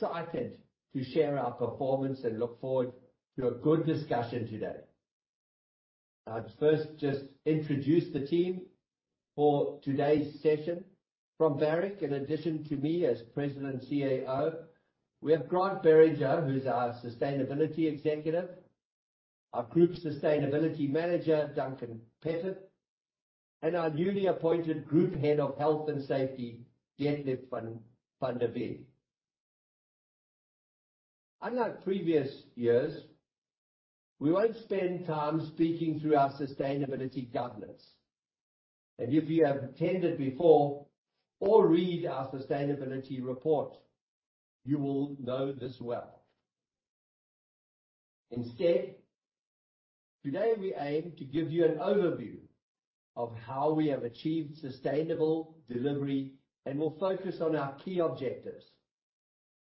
We're excited to share our performance and look forward to a good discussion today. I'd first just introduce the team for today's session. From Barrick, in addition to me as President and CEO, we have Grant Beringer, who's our Sustainability Executive, our Group Sustainability Manager, Duncan Pettit, and our newly appointed Group Head of Health and Safety,. Unlike previous years, we won't spend time speaking through our sustainability governance. If you have attended before or read our sustainability report, you will know this well. Instead, today we aim to give you an overview of how we have achieved Detlev van der Merwe sustainable delivery and will focus on our key objectives,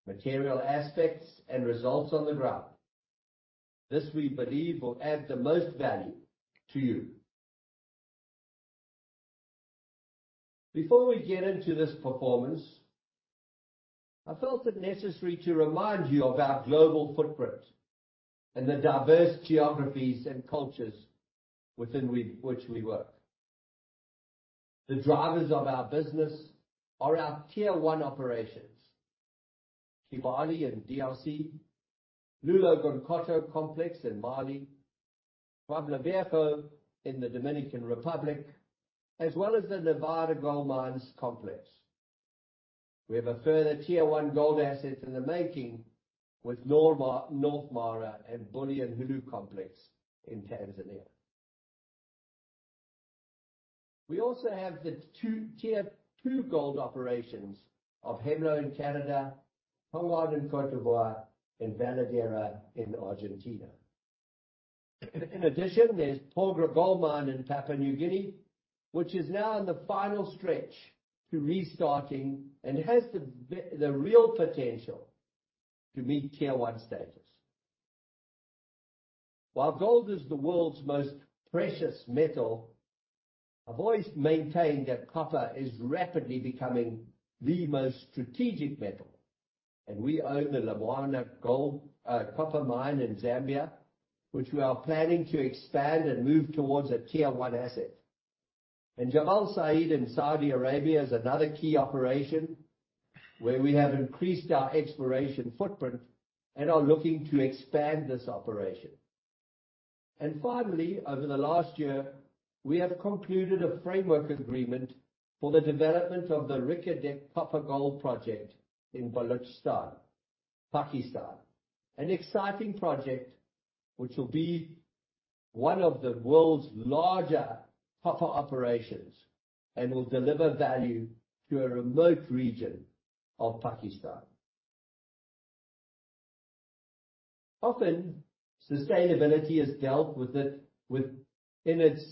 material aspects, and results on the ground. This, we believe, will add the most value to you. Before we get into this performance, I felt it necessary to remind you of our global footprint and the diverse geographies and cultures within which we work. The drivers of our business are our Tier One operations: Kibali and DRC, Loulo-Gounkoto complex in Mali, Pueblo Viejo in the Dominican Republic, as well as the Nevada Gold Mines complex. We have a further Tier One gold asset in the making with North Mara and Bulyanhulu complex in Tanzania. We also have the Tier Two gold operations of Hemlo in Canada, Tongon in Cote d'Ivoire, and Veladero in Argentina. In addition, there's Porgera Gold Mine in Papua New Guinea, which is now in the final stretch to restarting, and has the real potential to meet Tier One status. While gold is the world's most precious metal, I've always maintained that copper is rapidly becoming the most strategic metal. We own the Lumwana Gold, copper mine in Zambia, which we are planning to expand and move towards a Tier One asset. Jabal Sayid in Saudi Arabia is another key operation, where we have increased our exploration footprint and are looking to expand this operation. Finally, over the last year, we have concluded a framework agreement for the development of the Reko Diq Copper Gold Project in Balochistan, Pakistan. An exciting project, which will be one of the world's larger copper operations and will deliver value to a remote region of Pakistan. Often, sustainability is dealt with in its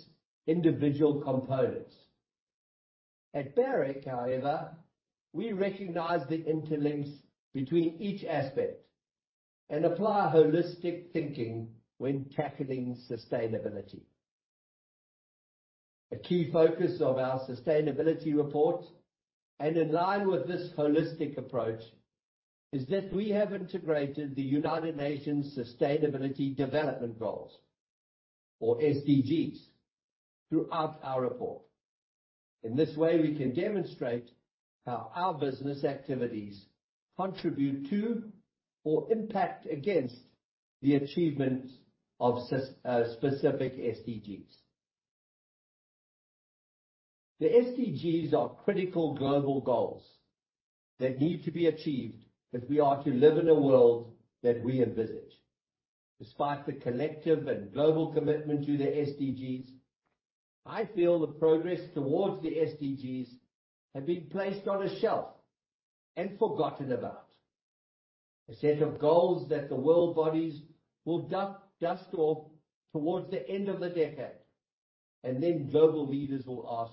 individual components. At Barrick, however, we recognize the interlinks between each aspect and apply holistic thinking when tackling sustainability. A key focus of our sustainability report, and in line with this holistic approach, is that we have integrated the United Nations Sustainable Development Goals, or SDGs, throughout our report. In this way, we can demonstrate how our business activities contribute to or impact against the achievement of specific SDGs. The SDGs are critical global goals that need to be achieved if we are to live in a world that we envisage. Despite the collective and global commitment to the SDGs, I feel the progress towards the SDGs have been placed on a shelf and forgotten about. A set of goals that the world bodies will dust off towards the end of the decade. Global leaders will ask: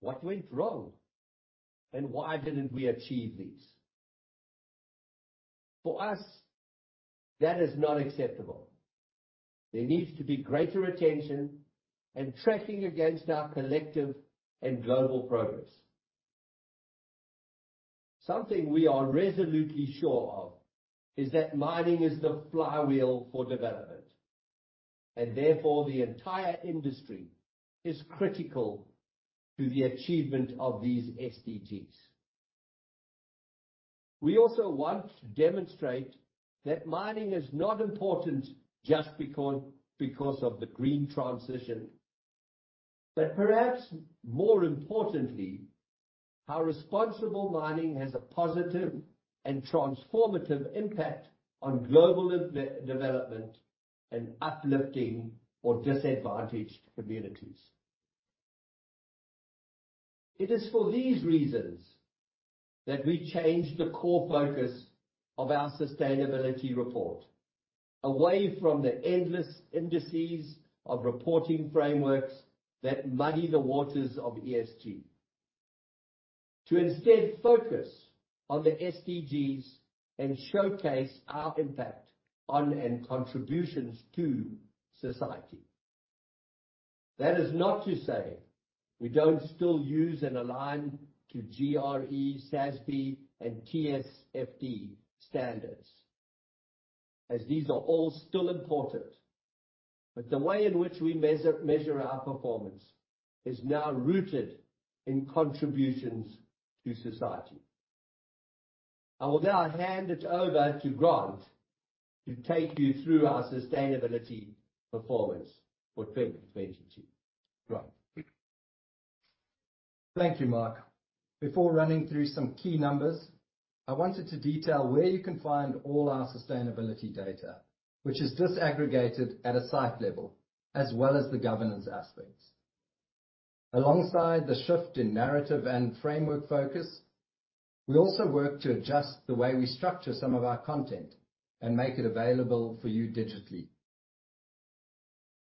"What went wrong, and why didn't we achieve these?" For us, that is not acceptable. There needs to be greater attention and tracking against our collective and global progress. Something we are resolutely sure of, is that mining is the flywheel for development, and therefore, the entire industry is critical to the achievement of these SDGs. We also want to demonstrate that mining is not important just because of the green transition, but perhaps more importantly, how responsible mining has a positive and transformative impact on global development and uplifting for disadvantaged communities. It is for these reasons that we changed the core focus of our sustainability report, away from the endless indices of reporting frameworks that muddy the waters of ESG. To instead focus on the SDGs and showcase our impact on and contributions to society. That is not to say we don't still use and align to GRI, SASB, and TCFD standards, as these are all still important, but the way in which we measure our performance is now rooted in contributions to society. I will now hand it over to Grant to take you through our sustainability performance for 2022. Grant? Thank you, Mark. Before running through some key numbers, I wanted to detail where you can find all our sustainability data, which is disaggregated at a site level, as well as the governance aspects. Alongside the shift in narrative and framework focus, we also work to adjust the way we structure some of our content and make it available for you digitally.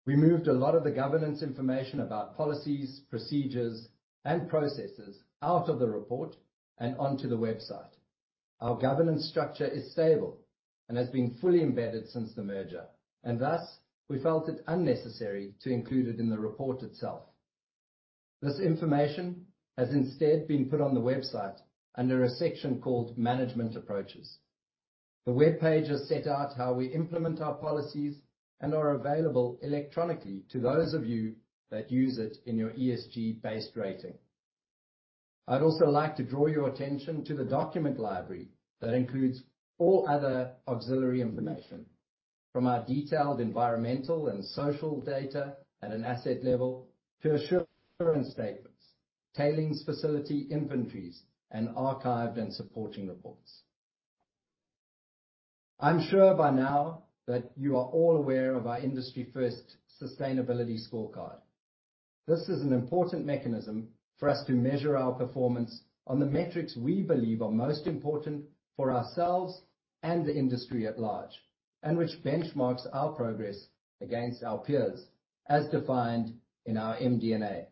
We moved a lot of the governance information about policies, procedures, and processes out of the report and onto the website. Our governance structure is stable and has been fully embedded since the merger, and thus, we felt it unnecessary to include it in the report itself. This information has instead been put on the website under a section called Management Approaches. The web page has set out how we implement our policies and are available electronically to those of you that use it in your ESG-based rating. I'd also like to draw your attention to the document library that includes all other auxiliary information, from our detailed environmental and social data at an asset level to assurance statements, tailings facility inventories, and archived and supporting reports. I'm sure by now that you are all aware of our industry-first Sustainability Scorecard. This is an important mechanism for us to measure our performance on the metrics we believe are most important for ourselves and the industry at large, and which benchmarks our progress against our peers as defined in our MD&A.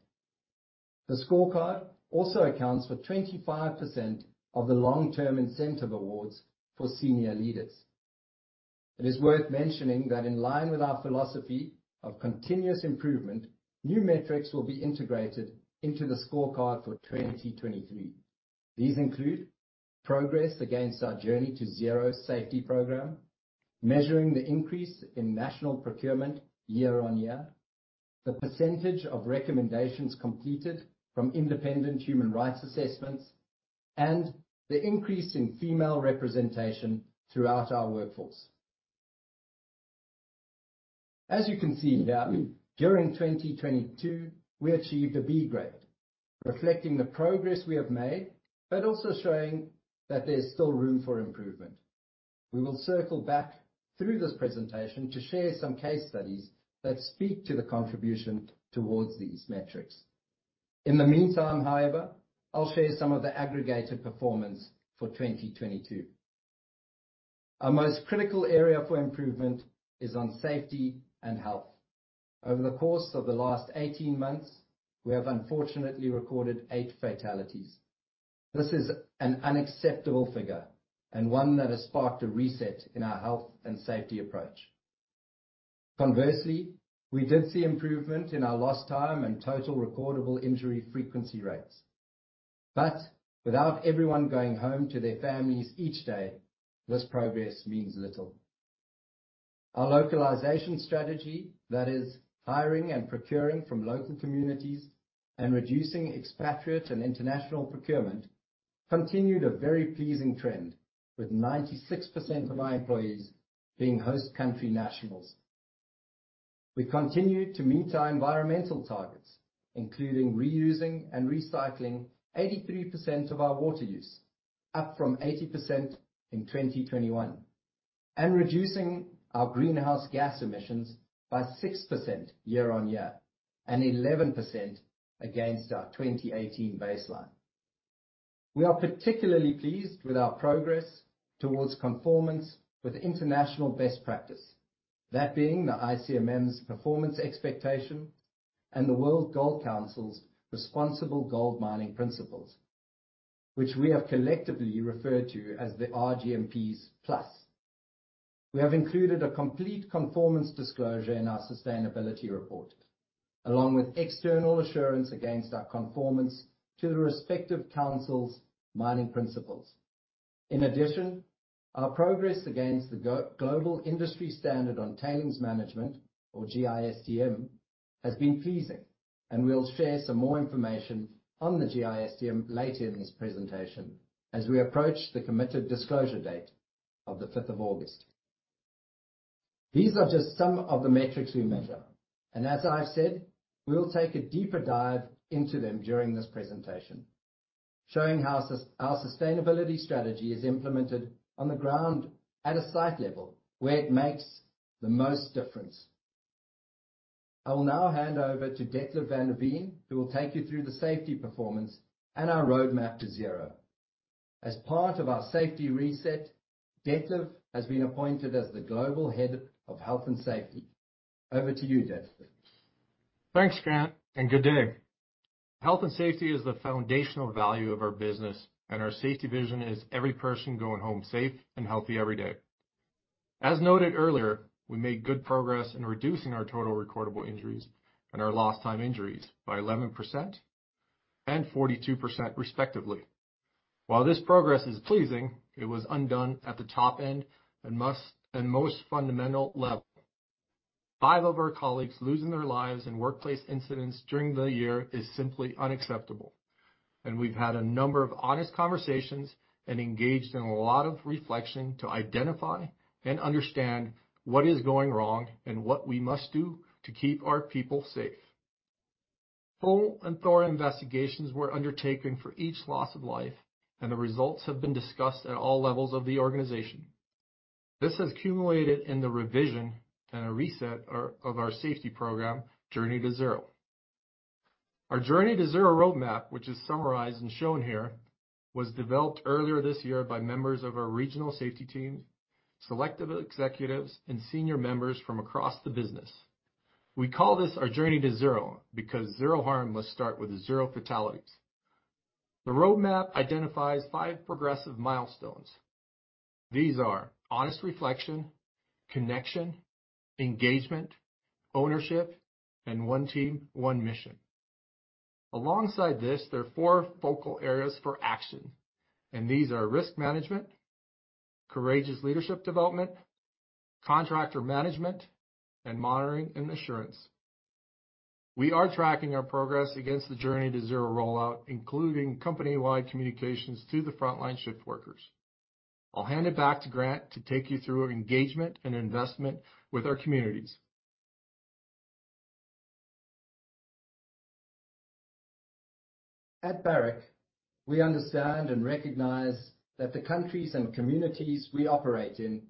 The scorecard also accounts for 25% of the long-term incentive awards for senior leaders. It is worth mentioning that in line with our philosophy of continuous improvement, new metrics will be integrated into the scorecard for 2023. These include progress against our Journey to Zero safety program, measuring the increase in national procurement year-on-year, the percentage of recommendations completed from independent human rights assessments, and the increase in female representation throughout our workforce. As you can see now, during 2022, we achieved a B grade, reflecting the progress we have made, but also showing that there's still room for improvement. We will circle back through this presentation to share some case studies that speak to the contribution towards these metrics. In the meantime, however, I'll share some of the aggregated performance for 2022. Our most critical area for improvement is on safety and health. Over the course of the last 18 months, we have unfortunately recorded 8 fatalities. This is an unacceptable figure and one that has sparked a reset in our health and safety approach. Conversely, we did see improvement in our lost time and total recordable injury frequency rates. Without everyone going home to their families each day, this progress means little. Our localization strategy, that is, hiring and procuring from local communities and reducing expatriate and international procurement, continued a very pleasing trend, with 96% of our employees being host country nationals. We continued to meet our environmental targets, including reusing and recycling 83% of our water use, up from 80% in 2021, and reducing our greenhouse gas emissions by 6% year-on-year, and 11% against our 2018 baseline. We are particularly pleased with our progress towards conformance with international best practice, that being the ICMM's performance expectation and the World Gold Council's Responsible Gold Mining Principles, which we have collectively referred to as the RGMPs Plus. We have included a complete conformance disclosure in our sustainability report, along with external assurance against our conformance to the respective councils' mining principles. In addition, our progress against the Global Industry Standard on Tailings Management, or GISTM, has been pleasing, and we'll share some more information on the GISTM later in this presentation as we approach the committed disclosure date of the 5th of August. These are just some of the metrics we measure, and as I've said, we'll take a deeper dive into them during this presentation, showing how our sustainability strategy is implemented on the ground at a site level, where it makes the most difference. I will now hand over to Detlev van der Merwe, who will take you through the safety performance and our roadmap to zero. As part of our safety reset, Detlev has been appointed as the Global Head of Health and Safety. Over to you, Detlev. Thanks, Grant. Good day. Health and safety is the foundational value of our business, and our safety vision is every person going home safe and healthy every day. As noted earlier, we made good progress in reducing our total recordable injuries and our lost time injuries by 11% and 42%, respectively. While this progress is pleasing, it was undone at the top end and most fundamental level. 5 of our colleagues losing their lives in workplace incidents during the year is simply unacceptable, and we've had a number of honest conversations and engaged in a lot of reflection to identify and understand what is going wrong and what we must do to keep our people safe. Full and thorough investigations were undertaken for each loss of life, and the results have been discussed at all levels of the organization. This has culminated in the revision and a reset of our safety program, Journey to Zero. Our Journey to Zero roadmap, which is summarized and shown here, was developed earlier this year by members of our regional safety team, selective executives, and senior members from across the business. We call this our Journey to Zero, because zero harm must start with zero fatalities. The roadmap identifies five progressive milestones. These are honest reflection, connection, engagement, ownership, and one team, one mission. Alongside this, there are four focal areas for action. These are risk management, courageous leadership development, contractor management, and monitoring and assurance. We are tracking our progress against the Journey to Zero rollout, including company-wide communications to the frontline shift workers. I'll hand it back to Grant to take you through our engagement and investment with our communities. At Barrick, we understand and recognize that the countries and communities we operate in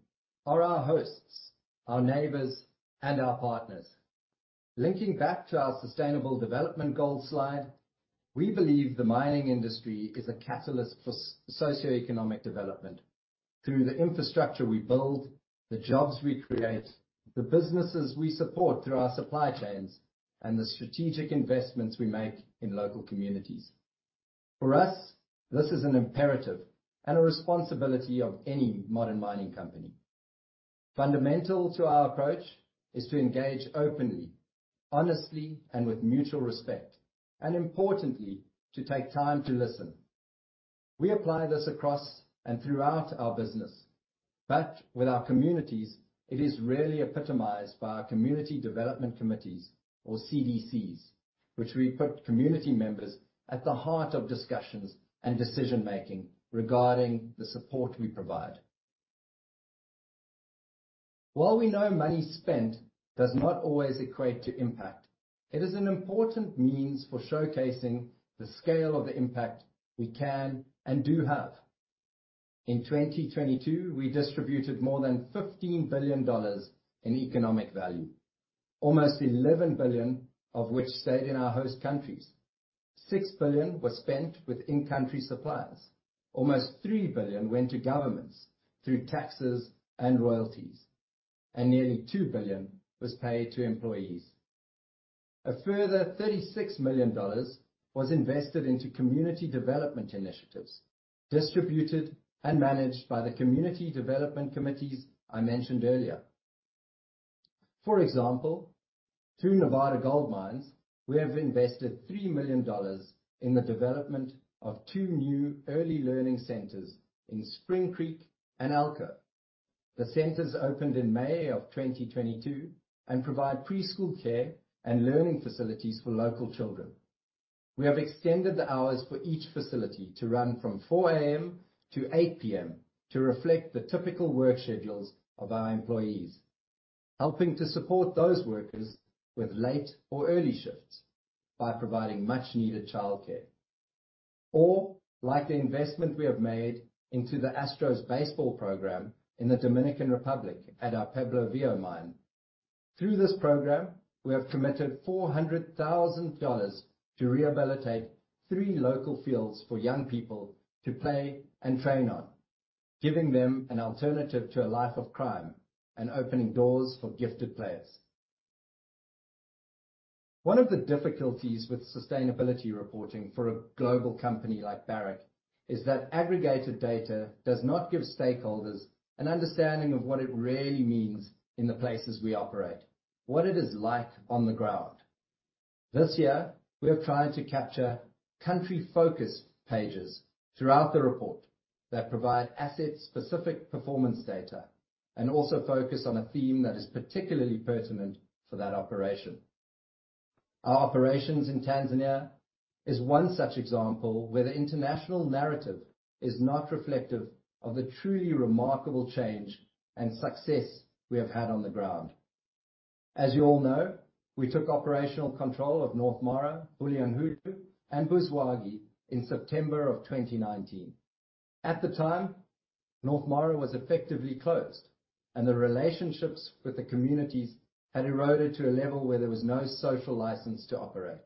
are our hosts, our neighbors, and our partners. Linking back to our Sustainable Development Goals slide, we believe the mining industry is a catalyst for socioeconomic development. Through the infrastructure we build, the jobs we create, the businesses we support through our supply chains, and the strategic investments we make in local communities. For us, this is an imperative and a responsibility of any modern mining company. Fundamental to our approach is to engage openly, honestly, and with mutual respect, and importantly, to take time to listen. We apply this across and throughout our business, but with our communities, it is really epitomized by our Community Development Committees, or CDCs, which we put community members at the heart of discussions and decision-making regarding the support we provide. While we know money spent does not always equate to impact, it is an important means for showcasing the scale of the impact we can and do have. In 2022, we distributed more than $15 billion in economic value, almost $11 billion of which stayed in our host countries. $6 billion was spent with in-country suppliers. Almost $3 billion went to governments through taxes and royalties, and nearly $2 billion was paid to employees. A further $36 million was invested into community development initiatives, distributed and managed by the Community Development Committees I mentioned earlier. For example, through Nevada Gold Mines, we have invested $3 million in the development of two new early learning centers in Spring Creek and Elko. The centers opened in May of 2022 and provide preschool care and learning facilities for local children. We have extended the hours for each facility to run from 4:00 A.M. to 8:00 P.M. to reflect the typical work schedules of our employees, helping to support those workers with late or early shifts by providing much-needed childcare. Like the investment we have made into the Astros baseball program in the Dominican Republic at our Pueblo Viejo mine. Through this program, we have committed $400,000 to rehabilitate three local fields for young people to play and train on, giving them an alternative to a life of crime and opening doors for gifted players. One of the difficulties with sustainability reporting for a global company like Barrick is that aggregated data does not give stakeholders an understanding of what it really means in the places we operate, what it is like on the ground. This year, we are trying to capture country-focused pages throughout the report that provide asset-specific performance data and also focus on a theme that is particularly pertinent for that operation. Our operations in Tanzania is one such example, where the international narrative is not reflective of the truly remarkable change and success we have had on the ground. As you all know, we took operational control of North Mara, Bulyanhulu, and Buzwagi in September of 2019. At the time, North Mara was effectively closed, and the relationships with the communities had eroded to a level where there was no social license to operate.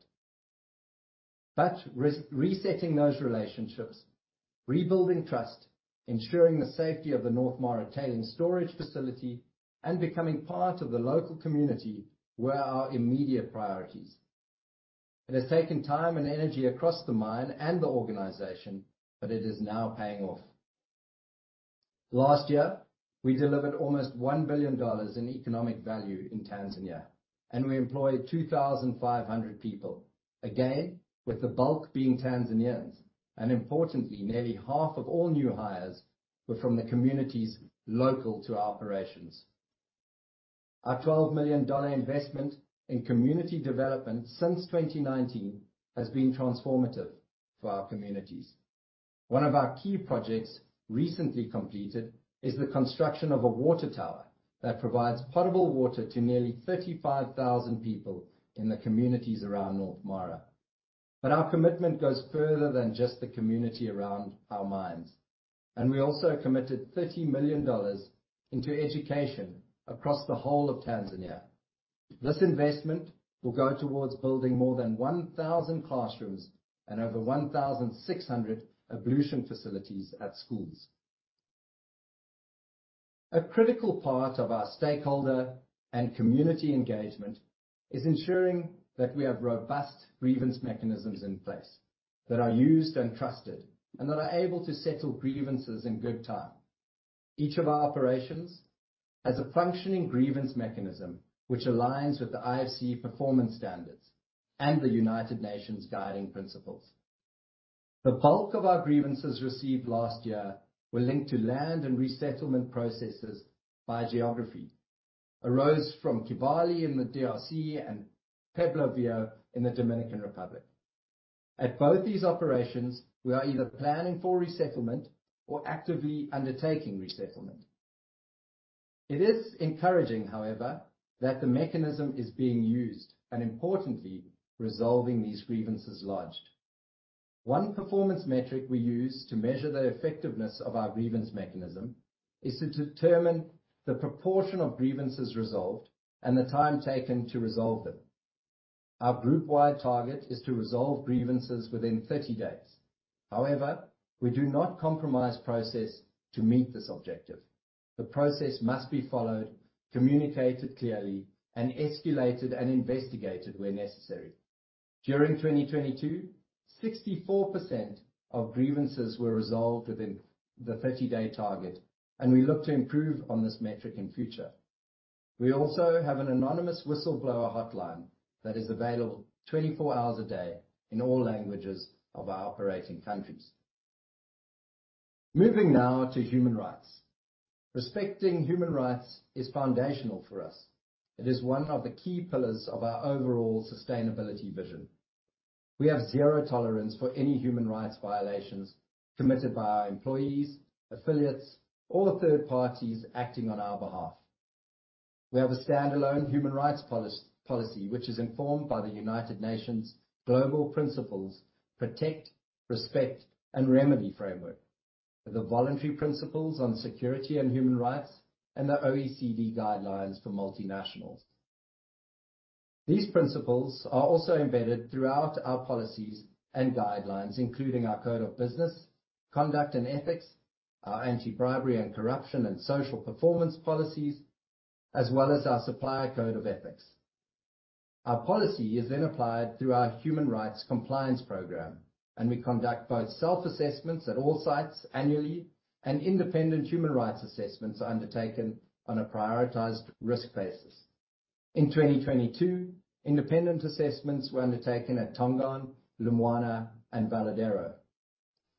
Resetting those relationships, rebuilding trust, ensuring the safety of the North Mara tailing storage facility, and becoming part of the local community were our immediate priorities. It has taken time and energy across the mine and the organization, but it is now paying off. Last year, we delivered almost $1 billion in economic value in Tanzania. We employed 2,500 people. Again, with the bulk being Tanzanians. Importantly, nearly half of all new hires were from the communities local to our operations. Our $12 million investment in community development since 2019 has been transformative for our communities. One of our key projects, recently completed, is the construction of a water tower that provides potable water to nearly 35,000 people in the communities around North Mara. Our commitment goes further than just the community around our mines. We also committed $30 million into education across the whole of Tanzania. This investment will go towards building more than 1,000 classrooms and over 1,600 ablution facilities at schools. A critical part of our stakeholder and community engagement is ensuring that we have robust grievance mechanisms in place that are used and trusted, and that are able to settle grievances in good time. Each of our operations has a functioning grievance mechanism, which aligns with the IFC Performance Standards and the United Nations Guiding Principles. The bulk of our grievances received last year were linked to land and resettlement processes by geography, arose from Kibali in the DRC and Pueblo Viejo in the Dominican Republic. At both these operations, we are either planning for resettlement or actively undertaking resettlement. It is encouraging, however, that the mechanism is being used and importantly, resolving these grievances lodged. One performance metric we use to measure the effectiveness of our grievance mechanism is to determine the proportion of grievances resolved and the time taken to resolve them. Our group-wide target is to resolve grievances within 30 days. We do not compromise process to meet this objective. The process must be followed, communicated clearly, and escalated and investigated where necessary. During 2022, 64% of grievances were resolved within the 30-day target, and we look to improve on this metric in future. We also have an anonymous whistleblower hotline that is available 24 hours a day in all languages of our operating countries. Moving now to human rights. Respecting human rights is foundational for us. It is one of the key pillars of our overall sustainability vision. We have zero tolerance for any human rights violations committed by our employees, affiliates, or third parties acting on our behalf. We have a standalone human rights policy, which is informed by the United Nations Global Principles: Protect, Respect, and Remedy Framework, the Voluntary Principles on Security and Human Rights, and the OECD Guidelines for Multinationals. These principles are also embedded throughout our policies and guidelines, including our Code of Business Conduct and Ethics, our Anti-Bribery and Corruption and Social Performance policies, as well as our Supplier Code of Ethics. Our policy is then applied through our Human Rights Compliance Program, and we conduct both self-assessments at all sites annually, and independent human rights assessments are undertaken on a prioritized risk basis. In 2022, independent assessments were undertaken at Tongon, Lumwana, and Veladero.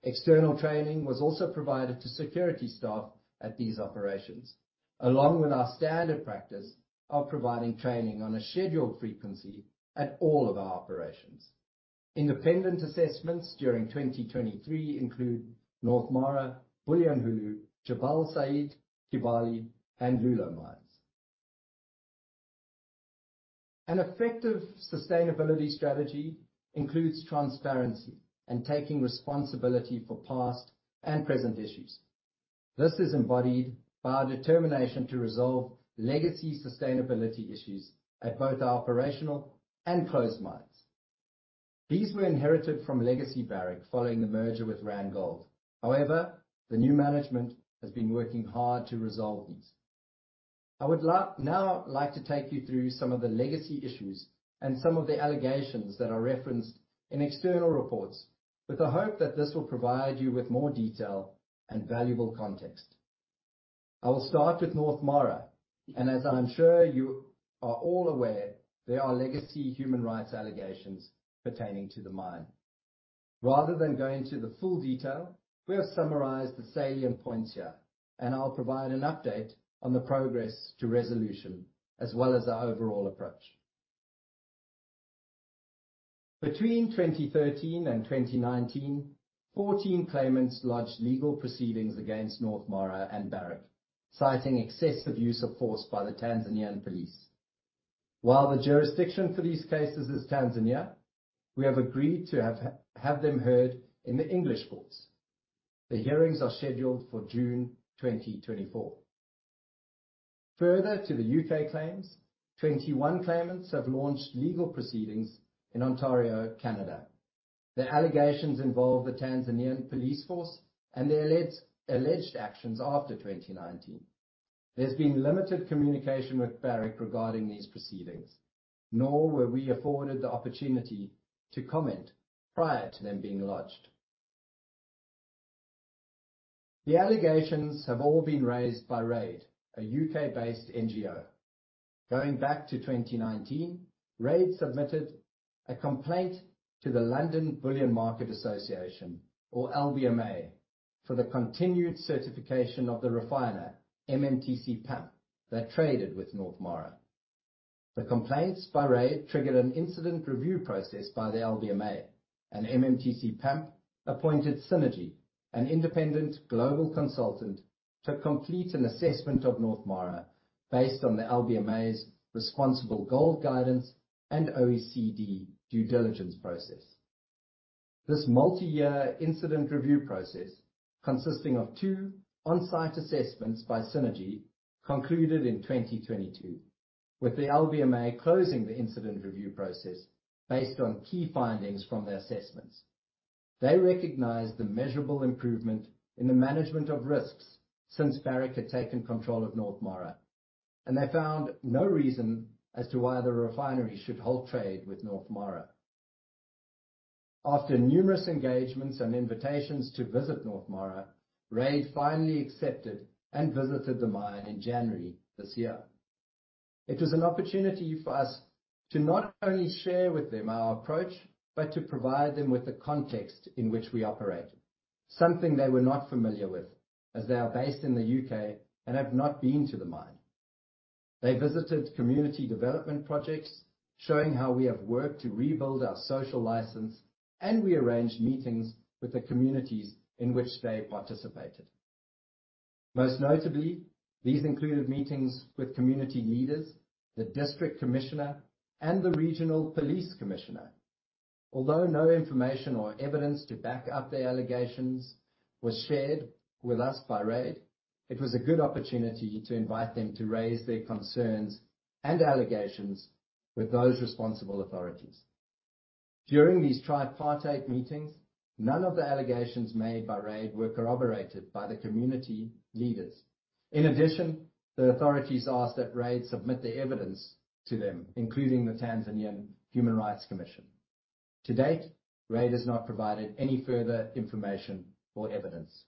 External training was also provided to security staff at these operations, along with our standard practice of providing training on a scheduled frequency at all of our operations. Independent assessments during 2023 include North Mara, Bulyanhulu, Jabal Sayid, Kibali, and Loulo mines. An effective sustainability strategy includes transparency and taking responsibility for past and present issues. This is embodied by our determination to resolve legacy sustainability issues at both our operational and closed mines. These were inherited from legacy Barrick following the merger with Randgold. The new management has been working hard to resolve these. I now like to take you through some of the legacy issues and some of the allegations that are referenced in external reports, with the hope that this will provide you with more detail and valuable context. I will start with North Mara, and as I'm sure you are all aware, there are legacy human rights allegations pertaining to the mine. Rather than go into the full detail, we have summarized the salient points here, and I'll provide an update on the progress to resolution, as well as our overall approach. Between 2013 and 2019, 14 claimants lodged legal proceedings against North Mara and Barrick, citing excessive use of force by the Tanzanian Police Force. While the jurisdiction for these cases is Tanzania, we have agreed to have them heard in the English courts. The hearings are scheduled for June 2024. Further to the U.K. claims, 21 claimants have launched legal proceedings in Ontario, Canada. The allegations involve the Tanzanian Police Force and their alleged actions after 2019. There's been limited communication with Barrick regarding these proceedings, nor were we afforded the opportunity to comment prior to them being lodged. The allegations have all been raised by RAID, a U.K.-based NGO. Going back to 2019, RAID submitted a complaint to the London Bullion Market Association, or LBMA, for the continued certification of the refiner MMTC-PAMP, that traded with North Mara. The complaints by RAID triggered an incident review process by the LBMA, and MMTC-PAMP appointed Synergy, an independent global consultant, to complete an assessment of North Mara based on the LBMA's Responsible Gold Guidance and OECD due diligence process. This multi-year incident review process, consisting of two on-site assessments by Synergy, concluded in 2022, with the LBMA closing the incident review process based on key findings from the assessments. They recognized the measurable improvement in the management of risks since Barrick had taken control of North Mara, and they found no reason as to why the refinery should halt trade with North Mara. After numerous engagements and invitations to visit North Mara, RAID finally accepted and visited the mine in January this year. It was an opportunity for us to not only share with them our approach, but to provide them with the context in which we operate, something they were not familiar with, as they are based in the U.K. and have not been to the mine. They visited community development projects, showing how we have worked to rebuild our social license, and we arranged meetings with the communities in which they participated. Most notably, these included meetings with community leaders, the district commissioner, and the regional police commissioner. Although no information or evidence to back up their allegations was shared with us by RAID, it was a good opportunity to invite them to raise their concerns and allegations with those responsible authorities. During these tripartite meetings, none of the allegations made by RAID were corroborated by the community leaders. The authorities asked that RAID submit the evidence to them, including the Tanzanian Human Rights Commission. To date, RAID has not provided any further information or evidence.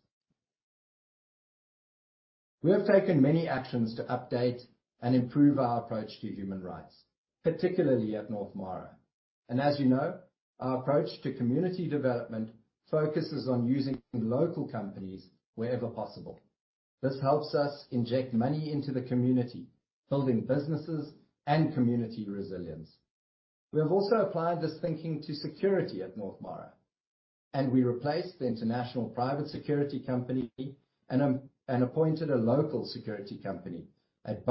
We have taken many actions to update and improve our approach to human rights, particularly at North Mara, as you know, our approach to community development focuses on using local companies wherever possible. This helps us inject money into the community, building businesses and community resilience. We have also applied this thinking to security at North Mara, we replaced the international private security company and appointed a local security company. That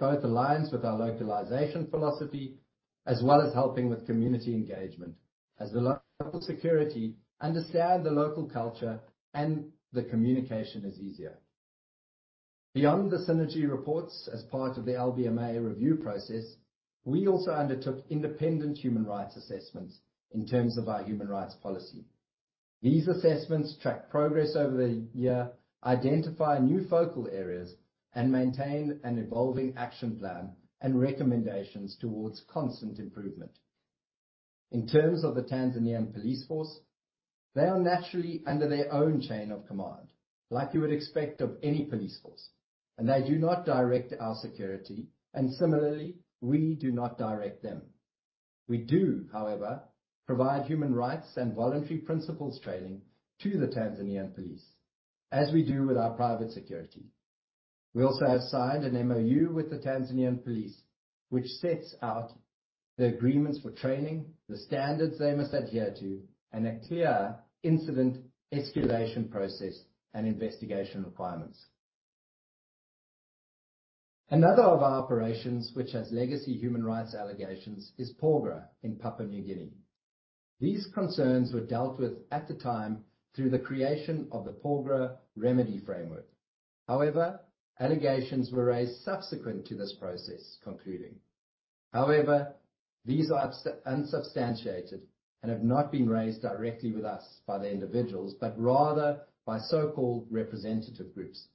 both aligns with our localization philosophy, as well as helping with community engagement, as the local security understand the local culture and the communication is easier. Beyond the Synergy reports as part of the LBMA review process, we also undertook independent human rights assessments in terms of our human rights policy. These assessments track progress over the year, identify new focal areas, and maintain an evolving action plan and recommendations towards constant improvement. In terms of the Tanzanian Police Force, they are naturally under their own chain of command, like you would expect of any police force, and they do not direct our security, and similarly, we do not direct them. We do, however, provide Human Rights and Voluntary Principles training to the Tanzanian police, as we do with our private security. We also have signed an MOU with the Tanzanian police, which sets out the agreements for training, the standards they must adhere to, and a clear incident escalation process and investigation requirements. Another of our operations, which has legacy human rights allegations, is Porgera in Papua New Guinea. These concerns were dealt with at the time through the creation of the Porgera Remedy Framework. Allegations were raised subsequent to this process concluding. These are unsubstantiated and have not been raised directly with us by the individuals, but rather by so-called representative groups.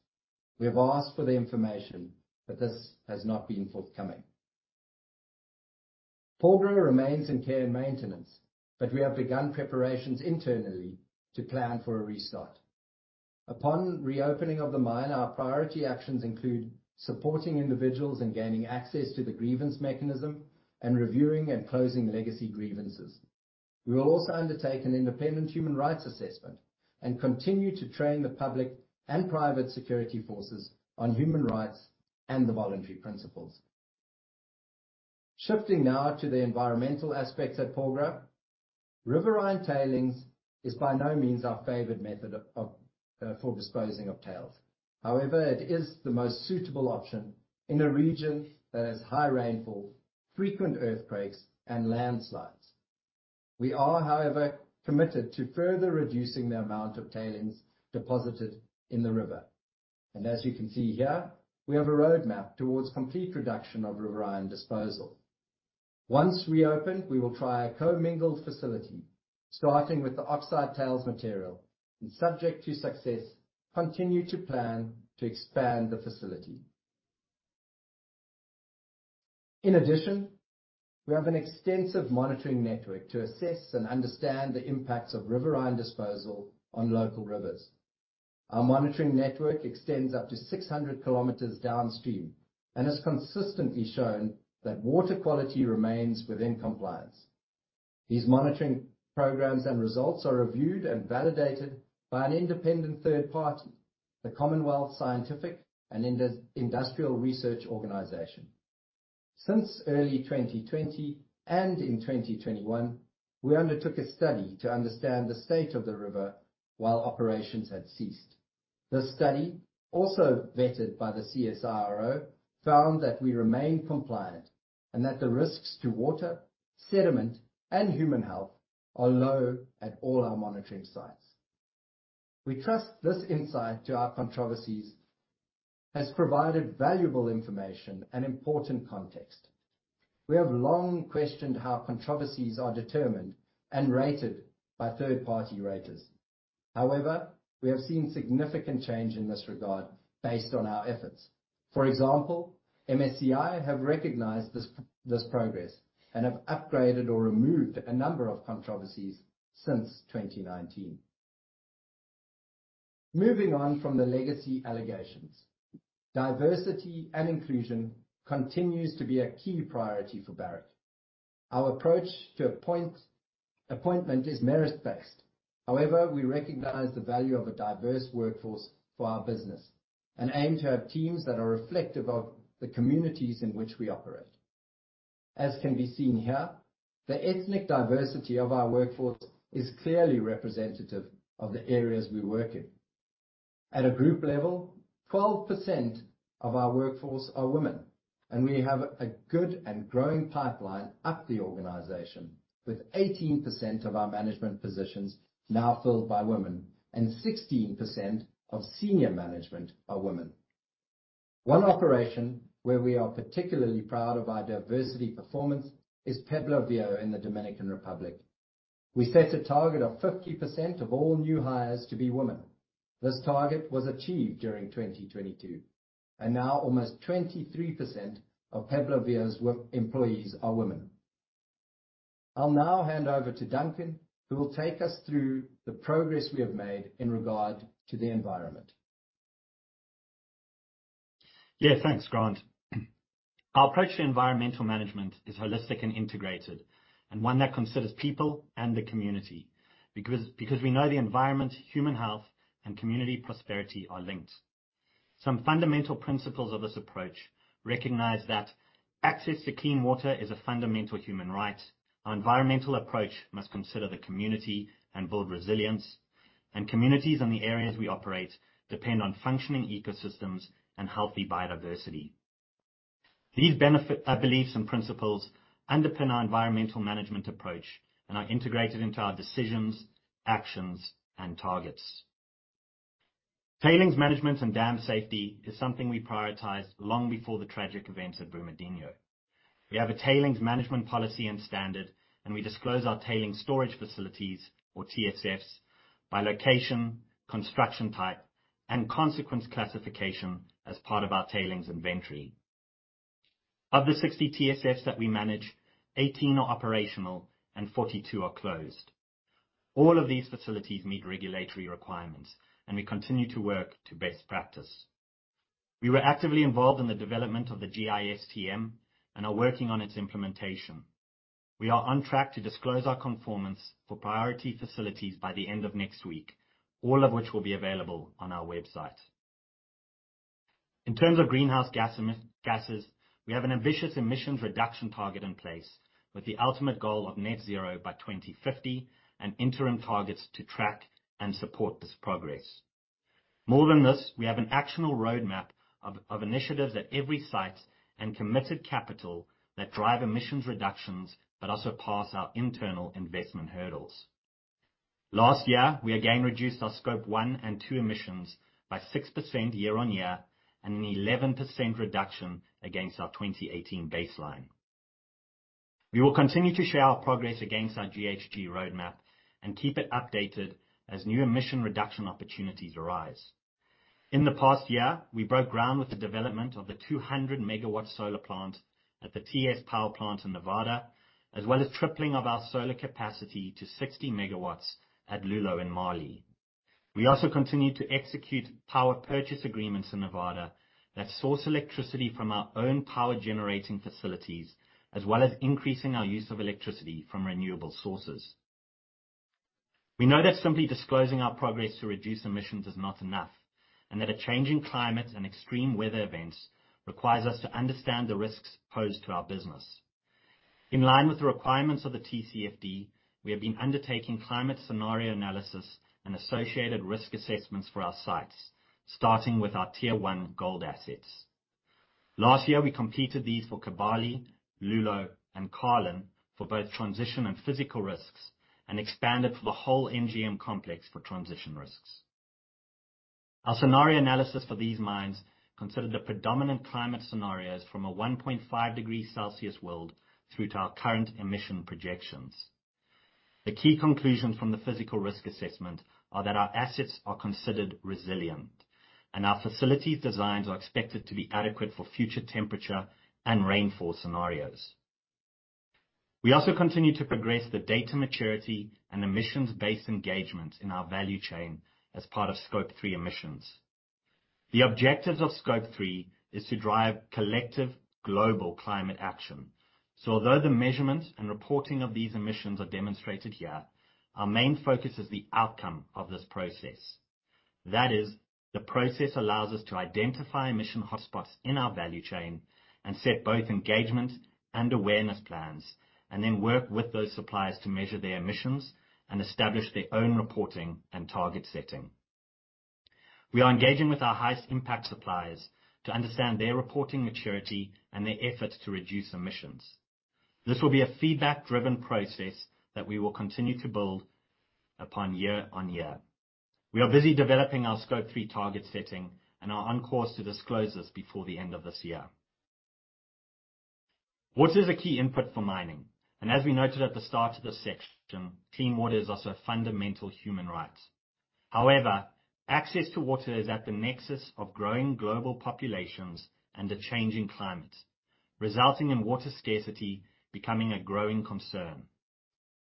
We have asked for the information. This has not been forthcoming. Porgera remains in care and maintenance. We have begun preparations internally to plan for a restart. Upon reopening of the mine, our priority actions include supporting individuals and gaining access to the grievance mechanism and reviewing and closing legacy grievances. We will also undertake an independent human rights assessment and continue to train the public and private security forces on human rights and the Voluntary Principles. Shifting now to the environmental aspects at Porgera. Riverine tailings is by no means our favored method of for disposing of tailings. It is the most suitable option in a region that has high rainfall, frequent earthquakes and landslides. We are, however, committed to further reducing the amount of tailings deposited in the river. As you can see here, we have a roadmap towards complete reduction of riverine disposal. Once reopened, we will try a commingled facility, starting with the oxide tailings material, subject to success, continue to plan to expand the facility. In addition, we have an extensive monitoring network to assess and understand the impacts of riverine disposal on local rivers. Our monitoring network extends up to 600 km downstream has consistently shown that water quality remains within compliance. These monitoring programs and results are reviewed and validated by an independent third party, the Commonwealth Scientific and Industrial Research Organisation. Since early 2020 and in 2021, we undertook a study to understand the state of the river while operations had ceased. This study, also vetted by the CSIRO, found that we remain compliant and that the risks to water, sediment, and human health are low at all our monitoring sites. We trust this insight to our controversies has provided valuable information and important context. We have long questioned how controversies are determined and rated by third-party raters. However, we have seen significant change in this regard based on our efforts. For example, MSCI have recognized this progress and have upgraded or removed a number of controversies since 2019. Moving on from the legacy allegations. Diversity and inclusion continues to be a key priority for Barrick. Our approach to appointment is merit-based. However, we recognize the value of a diverse workforce for our business and aim to have teams that are reflective of the communities in which we operate. As can be seen here, the ethnic diversity of our workforce is clearly representative of the areas we work in. At a group level, 12% of our workforce are women, and we have a good and growing pipeline up the organization, with 18% of our management positions now filled by women and 16% of senior management are women. One operation where we are particularly proud of our diversity performance is Pueblo Viejo in the Dominican Republic. We set a target of 50% of all new hires to be women. This target was achieved during 2022, and now almost 23% of Pueblo Viejo's work employees are women. I'll now hand over to Duncan, who will take us through the progress we have made in regard to the environment. Yeah, thanks, Grant. Our approach to environmental management is holistic and integrated, and one that considers people and the community, because we know the environment, human health, and community prosperity are linked. Some fundamental principles of this approach recognize that access to clean water is a fundamental human right. Our environmental approach must consider the community and build resilience, and communities in the areas we operate depend on functioning ecosystems and healthy biodiversity. These beliefs and principles underpin our environmental management approach and are integrated into our decisions, actions, and targets. Tailings management and dam safety is something we prioritized long before the tragic events at Brumadinho. We have a tailings management policy and standard, and we disclose our tailings storage facilities, or TSFs, by location, construction type, and consequence classification as part of our tailings inventory. Of the 60 TSFs that we manage, 18 are operational and 42 are closed. All of these facilities meet regulatory requirements, and we continue to work to best practice. We were actively involved in the development of the GISTM and are working on its implementation. We are on track to disclose our conformance for priority facilities by the end of next week, all of which will be available on our website. In terms of greenhouse gases, we have an ambitious emissions reduction target in place, with the ultimate goal of net zero by 2050 and interim targets to track and support this progress. More than this, we have an actionable roadmap of initiatives at every site and committed capital that drive emissions reductions, but also pass our internal investment hurdles. Last year, we again reduced our Scope 1 and 2 emissions by 6% year-on-year, and an 11% reduction against our 2018 baseline. We will continue to share our progress against our GHG roadmap and keep it updated as new emission reduction opportunities arise. In the past year, we broke ground with the development of the 200 MW solar plant at the TS Power Plant in Nevada, as well as tripling of our solar capacity to 60 MW at Loulo, in Mali. We also continued to execute power purchase agreements in Nevada that source electricity from our own power-generating facilities, as well as increasing our use of electricity from renewable sources. We know that simply disclosing our progress to reduce emissions is not enough, and that a changing climate and extreme weather events requires us to understand the risks posed to our business. In line with the requirements of the TCFD, we have been undertaking climate scenario analysis and associated risk assessments for our sites, starting with our Tier One gold assets. Last year, we completed these for Kibali, Loulo, and Carlin for both transition and physical risks, and expanded for the whole NGM complex for transition risks. Our scenario analysis for these mines considered the predominant climate scenarios from a 1.5 degrees Celsius world through to our current emission projections. The key conclusions from the physical risk assessment are that our assets are considered resilient, and our facilities' designs are expected to be adequate for future temperature and rainfall scenarios. We also continue to progress the data maturity and emissions-based engagement in our value chain as part of Scope 3 emissions. The objectives of Scope 3 is to drive collective global climate action. Although the measurement and reporting of these emissions are demonstrated here, our main focus is the outcome of this process. That is, the process allows us to identify emission hotspots in our value chain and set both engagement and awareness plans, and then work with those suppliers to measure their emissions and establish their own reporting and target setting. We are engaging with our highest impact suppliers to understand their reporting maturity and their efforts to reduce emissions. This will be a feedback-driven process that we will continue to build upon year-on-year. We are busy developing our Scope 3 target setting and are on course to disclose this before the end of this year. Water is a key input for mining, and as we noted at the start of this section, clean water is also a fundamental human right. Access to water is at the nexus of growing global populations and a changing climate, resulting in water scarcity becoming a growing concern.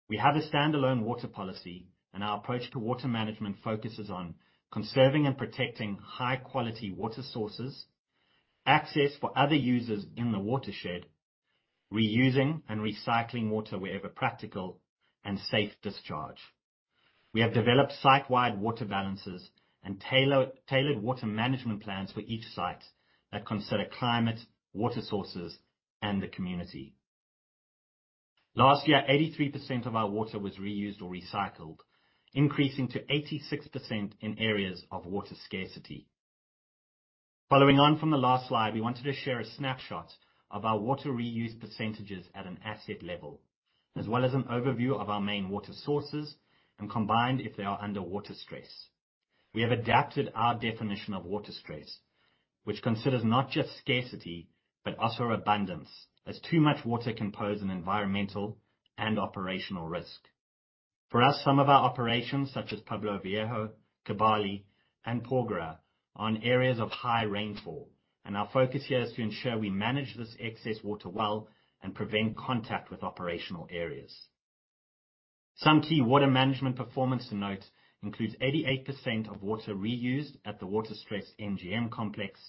We have a standalone water policy, and our approach to water management focuses on conserving and protecting high-quality water sources, access for other users in the watershed, reusing and recycling water wherever practical, and safe discharge. We have developed site-wide water balances and tailored water management plans for each site that consider climate, water sources, and the community. Last year, 83% of our water was reused or recycled, increasing to 86% in areas of water scarcity. Following on from the last slide, we wanted to share a snapshot of our water reuse percentages at an asset level, as well as an overview of our main water sources and combined if they are under water stress. We have adapted our definition of water stress, which considers not just scarcity, but also abundance, as too much water can pose an environmental and operational risk. For us, some of our operations, such as Pueblo Viejo, Kibali, and Porgera, are in areas of high rainfall, and our focus here is to ensure we manage this excess water well and prevent contact with operational areas. Some key water management performance to note includes 88% of water reused at the water-stressed NGM complex,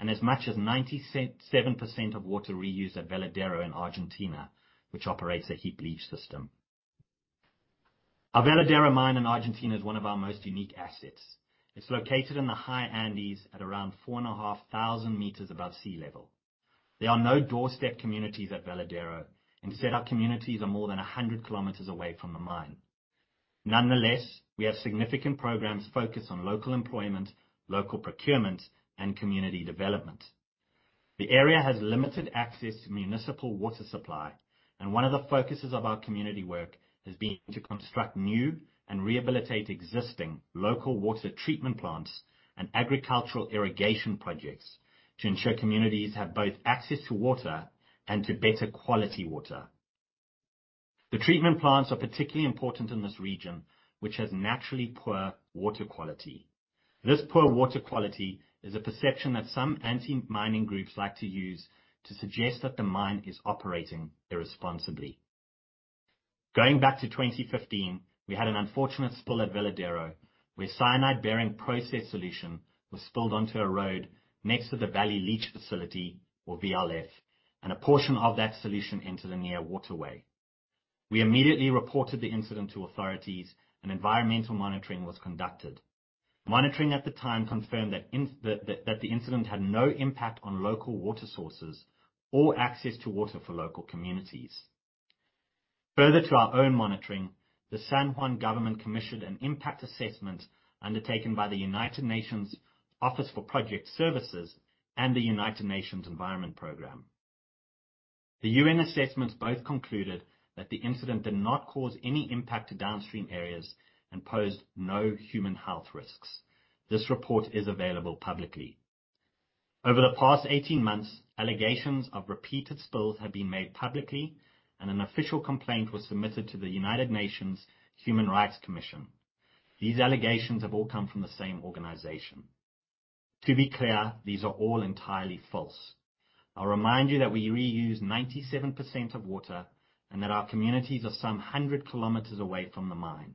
and as much as 70% of water reused at Veladero in Argentina, which operates a heap leach system. Our Veladero mine in Argentina is one of our most unique assets. It's located in the high Andes at around 4,500 m above sea level. There are no doorstep communities at Veladero. Our communities are more than 100 km away from the mine. Nonetheless, we have significant programs focused on local employment, local procurement, and community development. The area has limited access to municipal water supply, and one of the focuses of our community work has been to construct new and rehabilitate existing local water treatment plants and agricultural irrigation projects, to ensure communities have both access to water and to better quality water. The treatment plants are particularly important in this region, which has naturally poor water quality. This poor water quality is a perception that some anti-mining groups like to use to suggest that the mine is operating irresponsibly. Going back to 2015, we had an unfortunate spill at Veladero, where cyanide-bearing process solution was spilled onto a road next to the valley leach facility, or VLF, and a portion of that solution entered a near waterway. We immediately reported the incident to authorities, and environmental monitoring was conducted. Monitoring at the time confirmed that the incident had no impact on local water sources or access to water for local communities. Further to our own monitoring, the San Juan government commissioned an impact assessment undertaken by the United Nations Office for Project Services and the United Nations Environment Programme. The UN assessments both concluded that the incident did not cause any impact to downstream areas and posed no human health risks. This report is available publicly. Over the past 18 months, allegations of repeated spills have been made publicly, and an official complaint was submitted to the United Nations Human Rights Council. These allegations have all come from the same organization. To be clear, these are all entirely false. I'll remind you that we reuse 97% of water and that our communities are some 100 km away from the mine.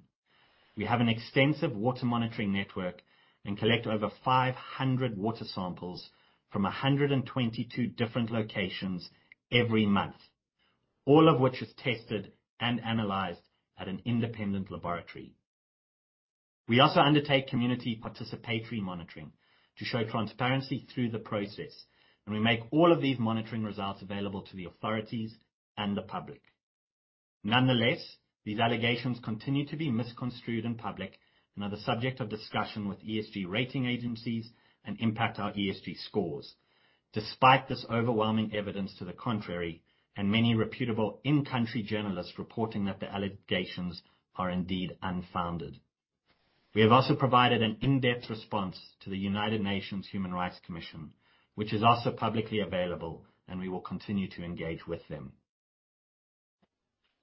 We have an extensive water monitoring network and collect over 500 water samples from 122 different locations every month, all of which is tested and analyzed at an independent laboratory. We also undertake community participatory monitoring to show transparency through the process, and we make all of these monitoring results available to the authorities and the public. Nonetheless, these allegations continue to be misconstrued in public and are the subject of discussion with ESG rating agencies and impact our ESG scores. Despite this overwhelming evidence to the contrary, and many reputable in-country journalists reporting that the allegations are indeed unfounded. We have also provided an in-depth response to the United Nations Human Rights Council, which is also publicly available. We will continue to engage with them.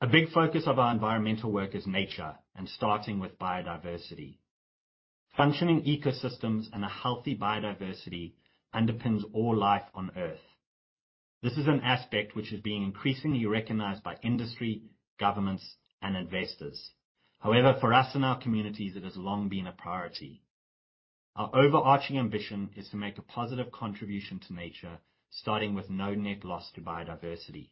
A big focus of our environmental work is nature, starting with biodiversity. Functioning ecosystems and a healthy biodiversity underpins all life on Earth. This is an aspect which is being increasingly recognized by industry, governments, and investors. However, for us in our communities, it has long been a priority. Our overarching ambition is to make a positive contribution to nature, starting with no net loss to biodiversity.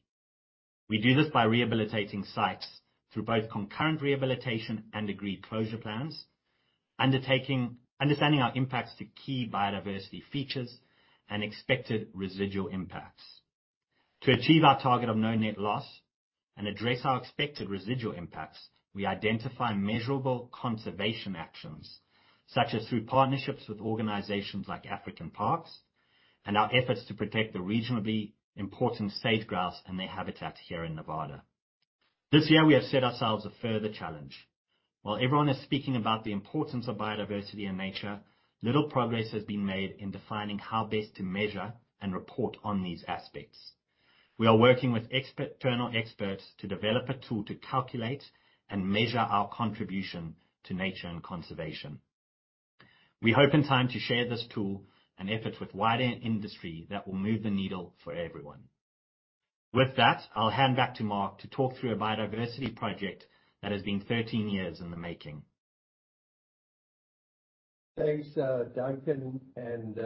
We do this by rehabilitating sites through both concurrent rehabilitation and agreed closure plans, understanding our impacts to key biodiversity features and expected residual impacts. To achieve our target of no net loss and address our expected residual impacts, we identify measurable conservation actions, such as through partnerships with organizations like African Parks and our efforts to protect the regionally important sage grouse and their habitats here in Nevada. This year, we have set ourselves a further challenge. While everyone is speaking about the importance of biodiversity and nature, little progress has been made in defining how best to measure and report on these aspects. We are working with internal experts to develop a tool to calculate and measure our contribution to nature and conservation. We hope in time to share this tool and efforts with wider industry that will move the needle for everyone. With that, I'll hand back to Mark to talk through a biodiversity project that has been 13 years in the making. Thanks, Duncan, and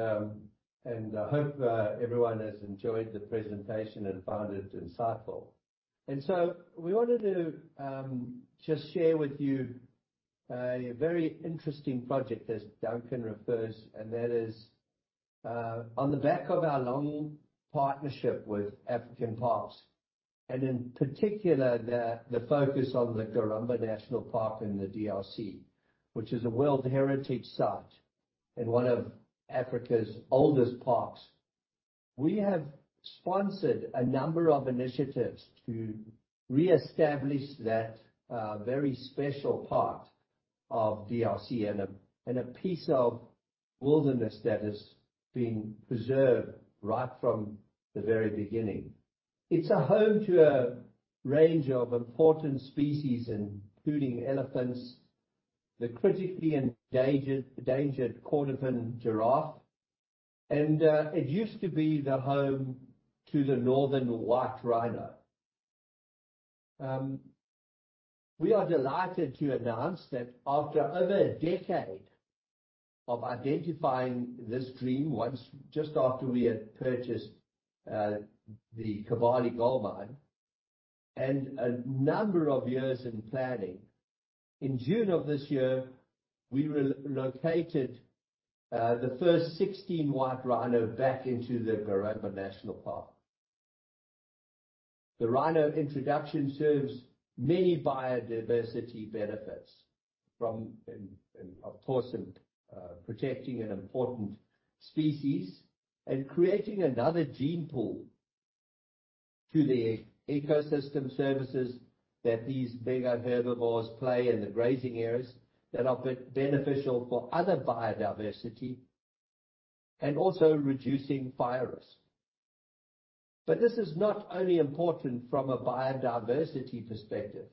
I hope everyone has enjoyed the presentation and found it insightful. We wanted to just share with you a very interesting project, as Duncan refers, and that is on the back of our long partnership with African Parks, and in particular, the focus on the Garamba National Park in the DRC, which is a World Heritage Site and one of Africa's oldest parks. We have sponsored a number of initiatives to reestablish that very special part of DRC and a piece of wilderness that is being preserved right from the very beginning. It's a home to a range of important species, including elephants, the critically endangered Kordofan giraffe, and it used to be the home to the northern white rhino. We are delighted to announce that after over a decade of identifying this dream, once just after we had purchased, the Kibali Gold Mine, and a number of years in planning, in June of this year, we re-located the first 16 white rhino back into the Garamba National Park. The rhino introduction serves many biodiversity benefits from, of course, protecting an important species and creating another gene pool to the ecosystem services that these mega herbivores play in the grazing areas that are beneficial for other biodiversity, and also reducing fire risk. This is not only important from a biodiversity perspective,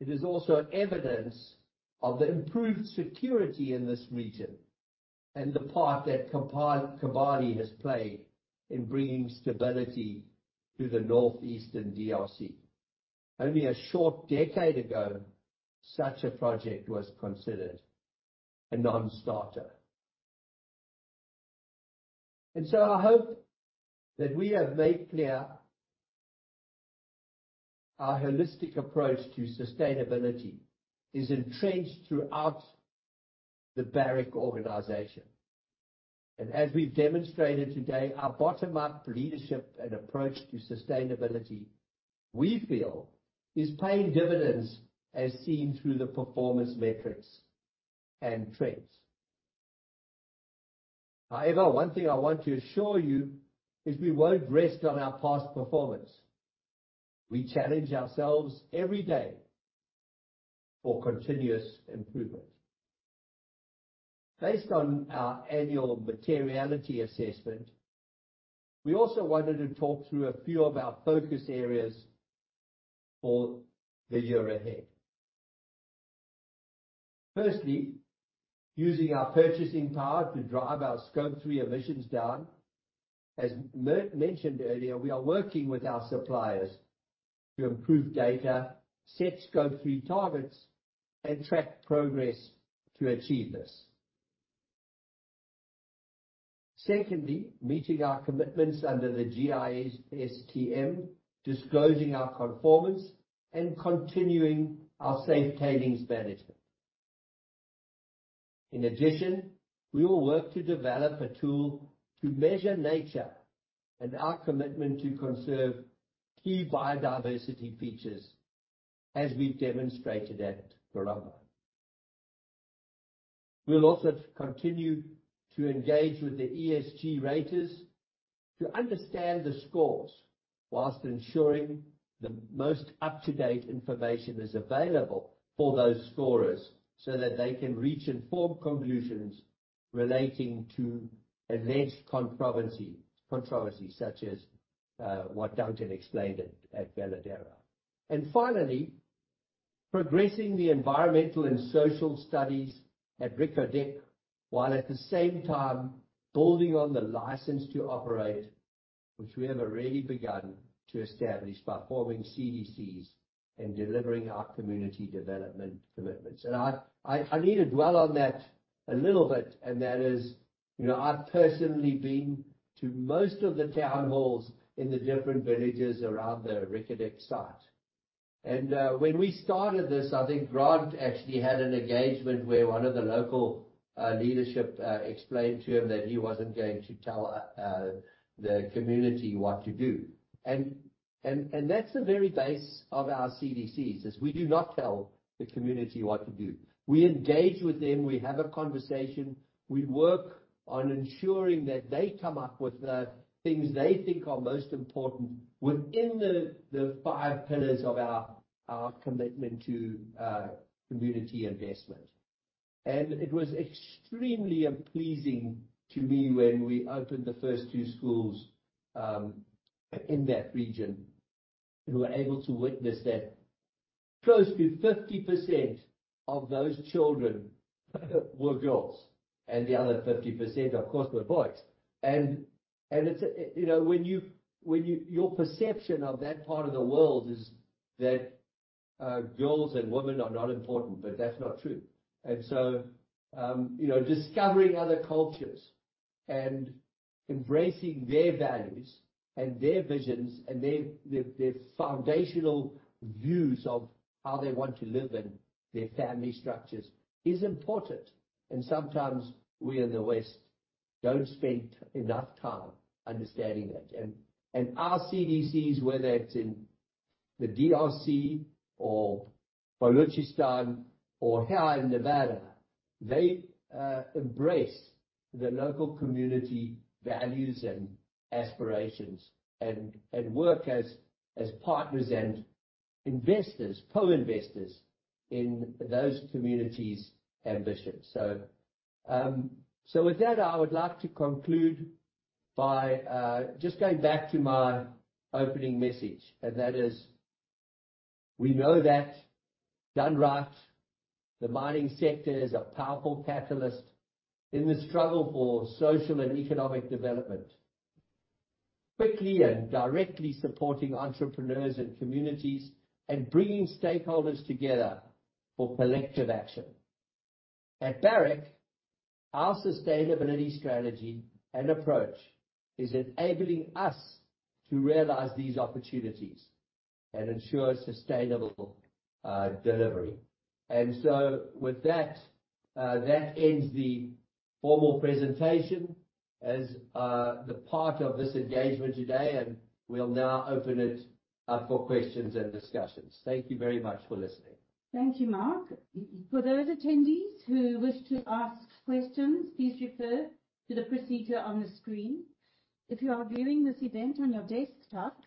it is also evidence of the improved security in this region and the part that Kibali has played in bringing stability to the northeastern DRC. Only a short decade ago, such a project was considered a non-starter. I hope that we have made clear our holistic approach to sustainability is entrenched throughout the Barrick organization. As we've demonstrated today, our bottom-up leadership and approach to sustainability, we feel, is paying dividends, as seen through the performance metrics and trends. However, one thing I want to assure you is we won't rest on our past performance. We challenge ourselves every day for continuous improvement. Based on our annual materiality assessment, we also wanted to talk through a few of our focus areas for the year ahead. Firstly, using our purchasing power to drive our Scope 3 emissions down. As mentioned earlier, we are working with our suppliers to improve data, set Scope 3 targets, and track progress to achieve this. Secondly, meeting our commitments under the GISTM, disclosing our conformance, and continuing our safe tailings management. In addition, we will work to develop a tool to measure nature and our commitment to conserve key biodiversity features, as we've demonstrated at Garamba. We'll also continue to engage with the ESG raters to understand the scores, whilst ensuring the most up-to-date information is available for those scorers, so that they can reach informed conclusions relating to alleged controversy such as what Duncan explained at Veladero. Finally, progressing the environmental and social studies at Reko Diq, while at the same time building on the license to operate, which we have already begun to establish by forming CDCs and delivering our community development commitments. I need to dwell on that a little bit, and that is: You know, I've personally been to most of the town halls in the different villages around the Reko Diq site. When we started this, I think Grant actually had an engagement where one of the local leadership explained to him that he wasn't going to tell the community what to do. That's the very base of our CDCs, is we do not tell the community what to do. We engage with them. We have a conversation. We work on ensuring that they come up with the things they think are most important within the five pillars of our commitment to community investment. It was extremely pleasing to me when we opened the first two schools in that region. We were able to witness that close to 50% of those children were girls, and the other 50%, of course, were boys. You know, when your perception of that part of the world is that girls and women are not important, but that's not true. You know, discovering other cultures and embracing their values and their visions and their foundational views of how they want to live and their family structures is important. Sometimes we in the West don't spend enough time understanding that. Our CDCs, whether it's in the DRC or Balochistan or here in Nevada, they embrace the local community values and aspirations and work as partners and investors, co-investors in those communities' ambitions. With that, I would like to conclude by just going back to my opening message, and that is, we know that done right, the mining sector is a powerful catalyst in the struggle for social and economic development. Quickly and directly supporting entrepreneurs and communities and bringing stakeholders together for collective action. At Barrick, our sustainability strategy and approach is enabling us to realize these opportunities and ensure sustainable delivery. With that ends the formal presentation as the part of this engagement today, and we'll now open it up for questions and discussions. Thank you very much for listening. Thank you, Mark. For those attendees who wish to ask questions, please refer to the procedure on the screen. If you are viewing this event on your desktop,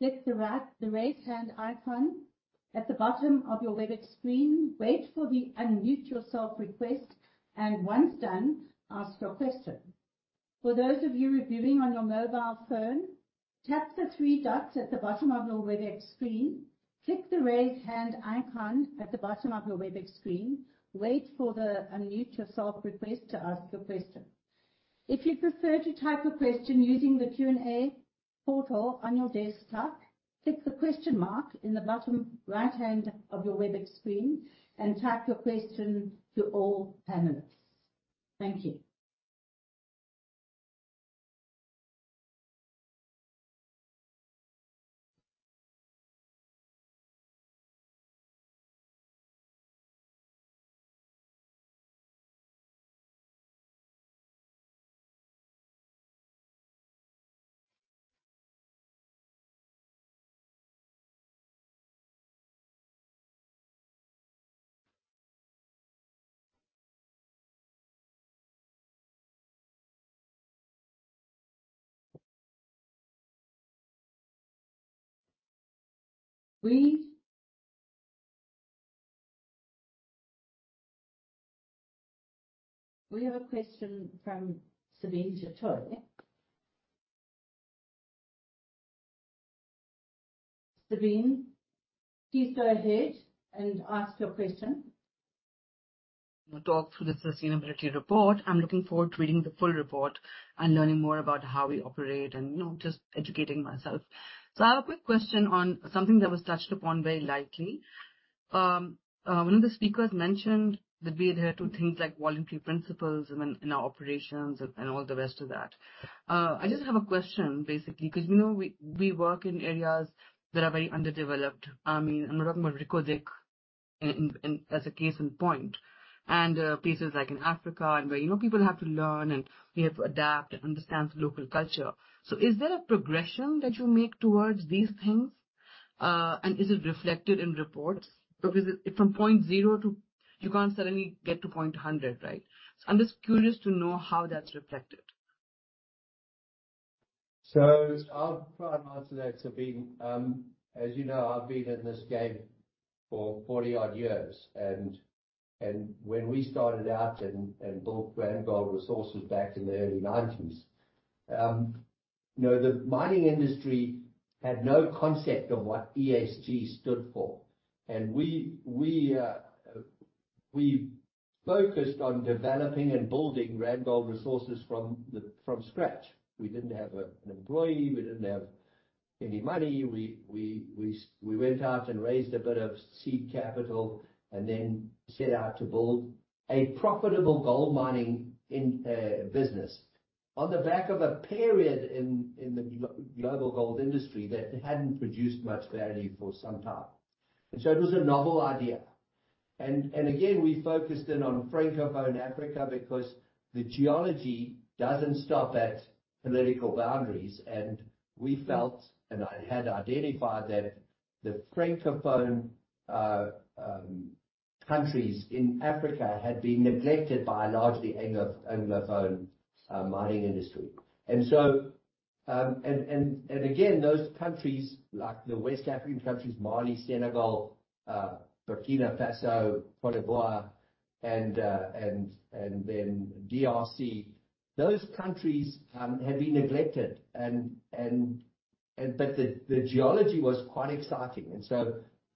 click the raise hand icon at the bottom of your Webex screen. Wait for the unmute yourself request, and once done, ask your question. For those of you reviewing on your mobile phone, tap the three dots at the bottom of your Webex screen. Click the raise hand icon at the bottom of your Webex screen. Wait for the unmute yourself request to ask your question. If you prefer to type a question using the Q&A portal on your desktop, click the question mark in the bottom right-hand of your Webex screen and type your question to all panelists. Thank you. We have a question from Sabine Jatoye. Sabine, please go ahead and ask your question. Talk through the sustainability report. I'm looking forward to reading the full report and learning more about how we operate and, you know, just educating myself. I have a quick question on something that was touched upon very lightly. One of the speakers mentioned that we adhere to things like Voluntary Principles in our operations and all the rest of that. I just have a question, basically, 'cause, you know, we work in areas that are very underdeveloped. I mean, I'm talking about Reko Diq as a case in point, and places like in Africa and where, you know, people have to learn and we have to adapt and understand the local culture. Is there a progression that you make towards these things, and is it reflected in reports? From point zero, you can't suddenly get to point 100, right? I'm just curious to know how that's reflected. I'll try and answer that, Sabine Jatoye. As you know, I've been in this game for 40-odd years, and when we started out and built Randgold Resources back in the early 1990s, you know, the mining industry had no concept of what ESG stood for, and we focused on developing and building Randgold Resources from scratch. We didn't have an employee, we didn't have any money. We went out and raised a bit of seed capital and then set out to build a profitable gold mining business on the back of a period in the global gold industry that hadn't produced much value for some time. It was a novel idea. Again, we focused in on Francophone Africa because the geology doesn't stop at political boundaries, and we felt, and I had identified, that the Francophone countries in Africa had been neglected by a largely Anglophone mining industry. Again, those countries, like the West African countries, Mali, Senegal, Burkina Faso, Côte d'Ivoire, and then DRC, those countries had been neglected but the geology was quite exciting.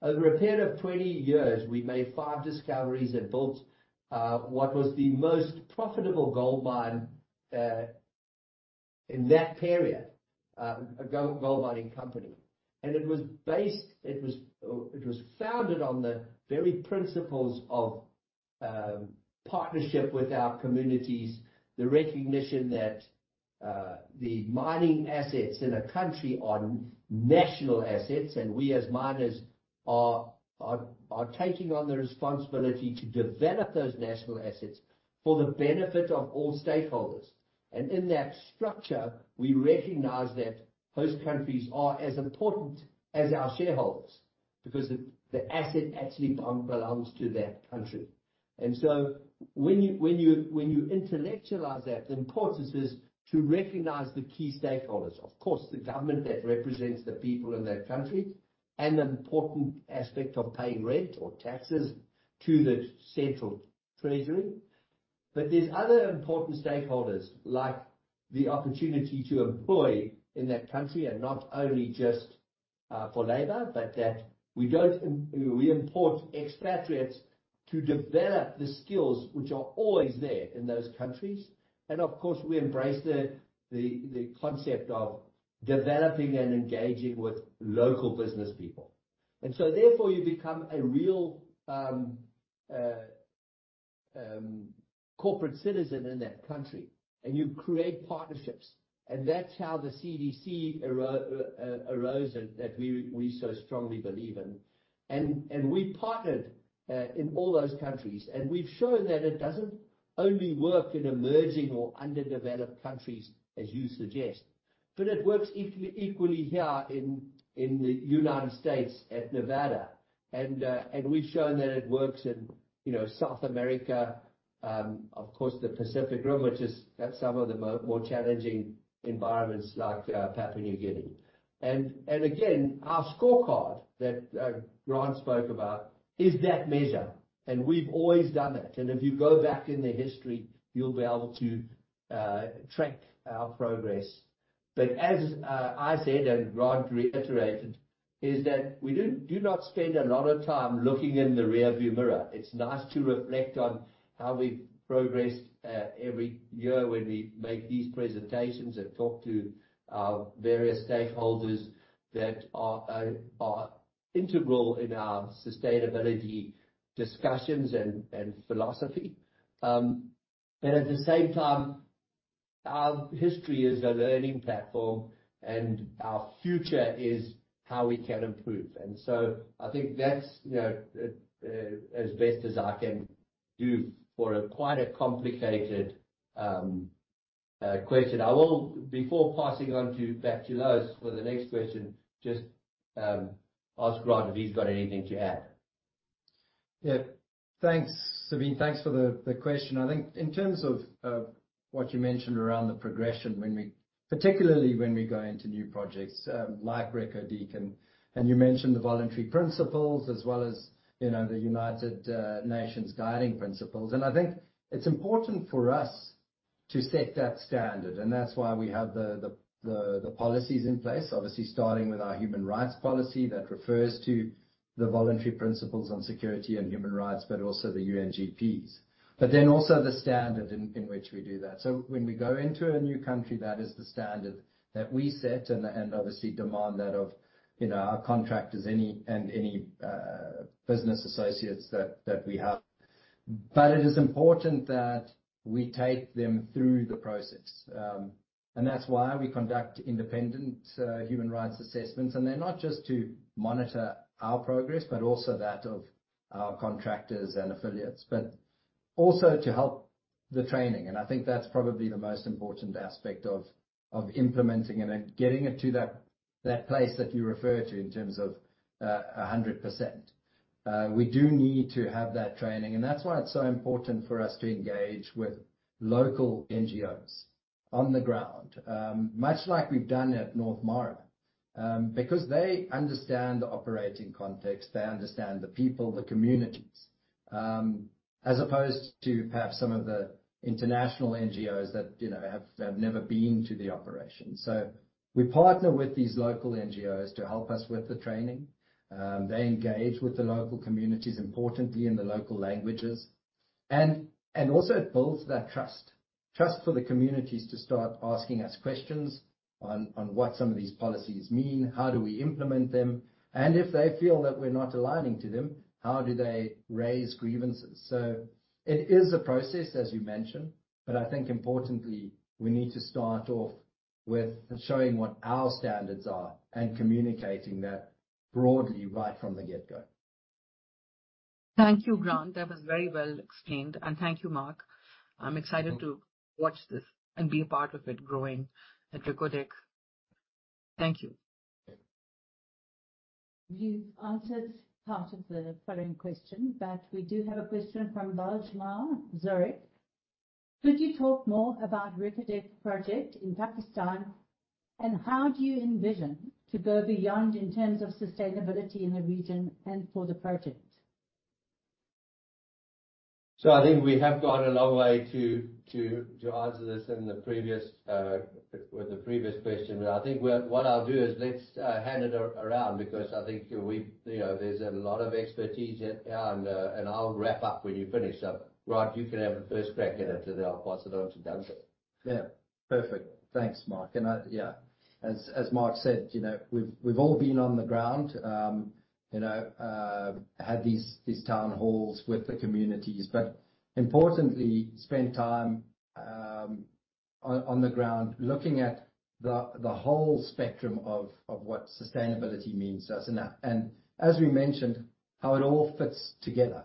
Over a period of 20 years, we made five discoveries and built what was the most profitable gold mine in that period, a gold mining company. It was founded on the very principles of partnership with our communities, the recognition that the mining assets in a country are national assets, and we, as miners, are taking on the responsibility to develop those national assets for the benefit of all stakeholders. In that structure, we recognize that host countries are as important as our shareholders, because the asset actually belongs to that country. When you intellectualize that, the importance is to recognize the key stakeholders. Of course, the government that represents the people in that country, and an important aspect of paying rent or taxes to the central treasury. There's other important stakeholders, like the opportunity to employ in that country, and not only just for labor, but that we don't import expatriates to develop the skills which are always there in those countries. Of course, we embrace the concept of developing and engaging with local business people. Therefore, you become a real corporate citizen in that country, and you create partnerships. That's how the CDC arose and that we so strongly believe in. We partnered in all those countries, and we've shown that it doesn't only work in emerging or underdeveloped countries, as you suggest, but it works equally here in the United States, at Nevada. We've shown that it works in, you know, South America, of course, the Pacific Rim, which is some of the more challenging environments like Papua New Guinea. Again, our Scorecard that Grant spoke about is that measure, and we've always done that. If you go back in the history, you'll be able to track our progress. As I said, and Grant reiterated, is that we do not spend a lot of time looking in the rearview mirror. It's nice to reflect on how we've progressed every year when we make these presentations and talk to our various stakeholders that are integral in our sustainability discussions and philosophy. At the same time, our history is a learning platform, and our future is how we can improve. I think that's, you know, as best as I can do for a quite a complicated question. I will, before passing on to back to Louis for the next question, just ask Grant if he's got anything to add. Yeah. Thanks, Sabine. Thanks for the question. I think in terms of what you mentioned around the progression particularly when we go into new projects, like Reko Diq, and you mentioned the Voluntary Principles as well as, you know, the United Nations Guiding Principles. I think it's important for us to set that standard, and that's why we have the policies in place. Obviously, starting with our Human Rights Policy that refers to the Voluntary Principles on Security and Human Rights, but also the UNGPs. Then also the standard in which we do that. When we go into a new country, that is the standard that we set and obviously demand that of, you know, our contractors, any, and any business associates that we have. It is important that we take them through the process, and that's why we conduct independent human rights assessments. They're not just to monitor our progress, but also that of our contractors and affiliates, but also to help the training. I think that's probably the most important aspect of implementing it and getting it to that place that you refer to in terms of 100%. We do need to have that training, and that's why it's so important for us to engage with local NGOs on the ground, much like we've done at North Mara. Because they understand the operating context, they understand the people, the communities, as opposed to perhaps some of the international NGOs that, you know, have never been to the operation. We partner with these local NGOs to help us with the training. They engage with the local communities, importantly, in the local languages, and also it builds that trust. Trust for the communities to start asking us questions on what some of these policies mean, how do we implement them, and if they feel that we're not aligning to them, how do they raise grievances? It is a process, as you mentioned, but I think importantly, we need to start off with showing what our standards are and communicating that broadly right from the get-go. Thank you, Grant. That was very well explained. Thank you, Mark. I'm excited to watch this and be a part of it growing at Reko Diq. Thank you. You've answered part of the following question, but we do have a question from Bajma, Zurich: Could you talk more about Reko Diq project in Pakistan, and how do you envision to go beyond in terms of sustainability in the region and for the project? I think we have gone a long way to answer this in the previous with the previous question. I think what I'll do is let's hand it around, because I think we. You know, there's a lot of expertise here, and I'll wrap up when you finish. Grant, you can have the first crack at it and then I'll pass it on to Duncan. Yeah. Perfect. Thanks, Mark. Yeah, as Mark said, you know, we've all been on the ground, you know, had these town halls with the communities, but importantly, spent time on the ground, looking at the whole spectrum of what sustainability means to us. As we mentioned, how it all fits together.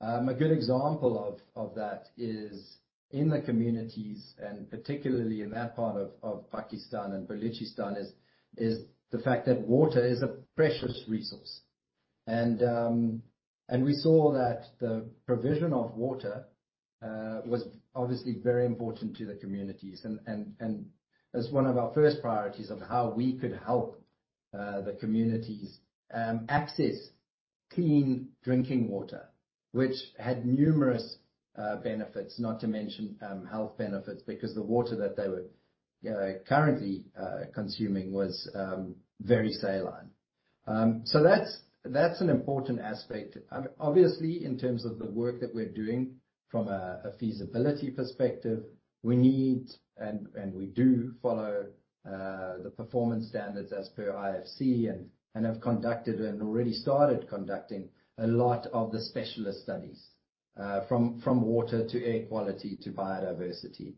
A good example of that is in the communities, and particularly in that part of Pakistan and Balochistan, is the fact that water is a precious resource. We saw that the provision of water was obviously very important to the communities, and as one of our first priorities of how we could help the communities access clean drinking water, which had numerous benefits, not to mention health benefits, because the water that they were currently consuming was very saline. That's an important aspect. Obviously, in terms of the work that we're doing from a feasibility perspective, we need, and we do follow the performance standards as per IFC, and have conducted and already started conducting a lot of the specialist studies from water to air quality to biodiversity.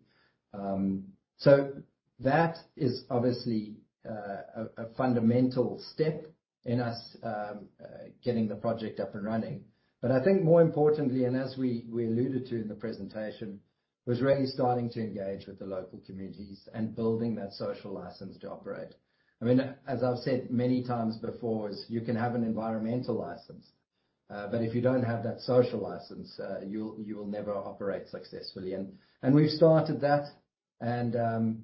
That is obviously a fundamental step in us getting the project up and running. I think more importantly, and as we alluded to in the presentation, was really starting to engage with the local communities and building that social license to operate. I mean, as I've said many times before, is you can have an environmental license, but if you don't have that social license, you will never operate successfully. We've started that, and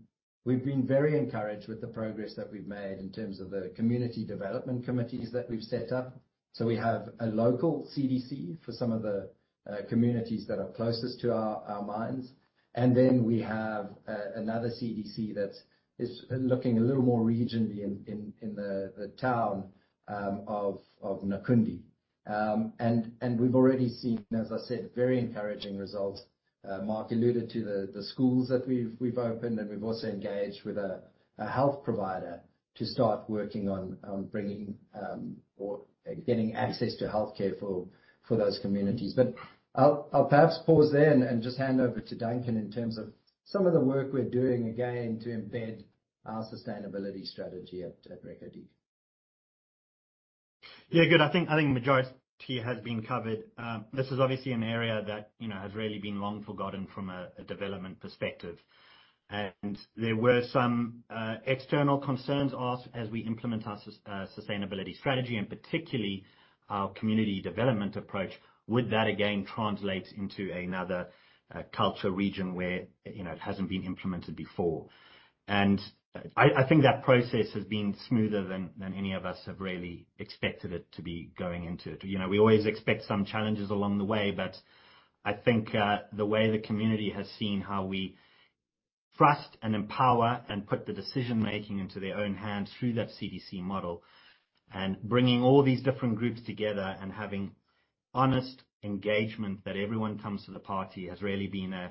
we've been very encouraged with the progress that we've made in terms of the Community Development Committees that we've set up. We have a local CDC for some of the communities that are closest to our mines, and then we have another CDC that is looking a little more regionally in the town of Naukundi. We've already seen, as I said, very encouraging results. Mark alluded to the schools that we've opened, and we've also engaged with a health provider to start working on bringing or getting access to healthcare for those communities. I'll perhaps pause there and just hand over to Duncan in terms of some of the work we're doing, again, to embed our sustainability strategy at Reko Diq. Yeah, good. I think the majority has been covered. This is obviously an area that, you know, has really been long forgotten from a development perspective. There were some external concerns asked as we implement our sustainability strategy, and particularly our community development approach. Would that again translate into another culture region where, you know, it hasn't been implemented before? I think that process has been smoother than any of us have really expected it to be going into it. You know, we always expect some challenges along the way, but I think, the way the community has seen how we trust and empower and put the decision-making into their own hands through that CDC model, and bringing all these different groups together and having honest engagement that everyone comes to the party, has really been a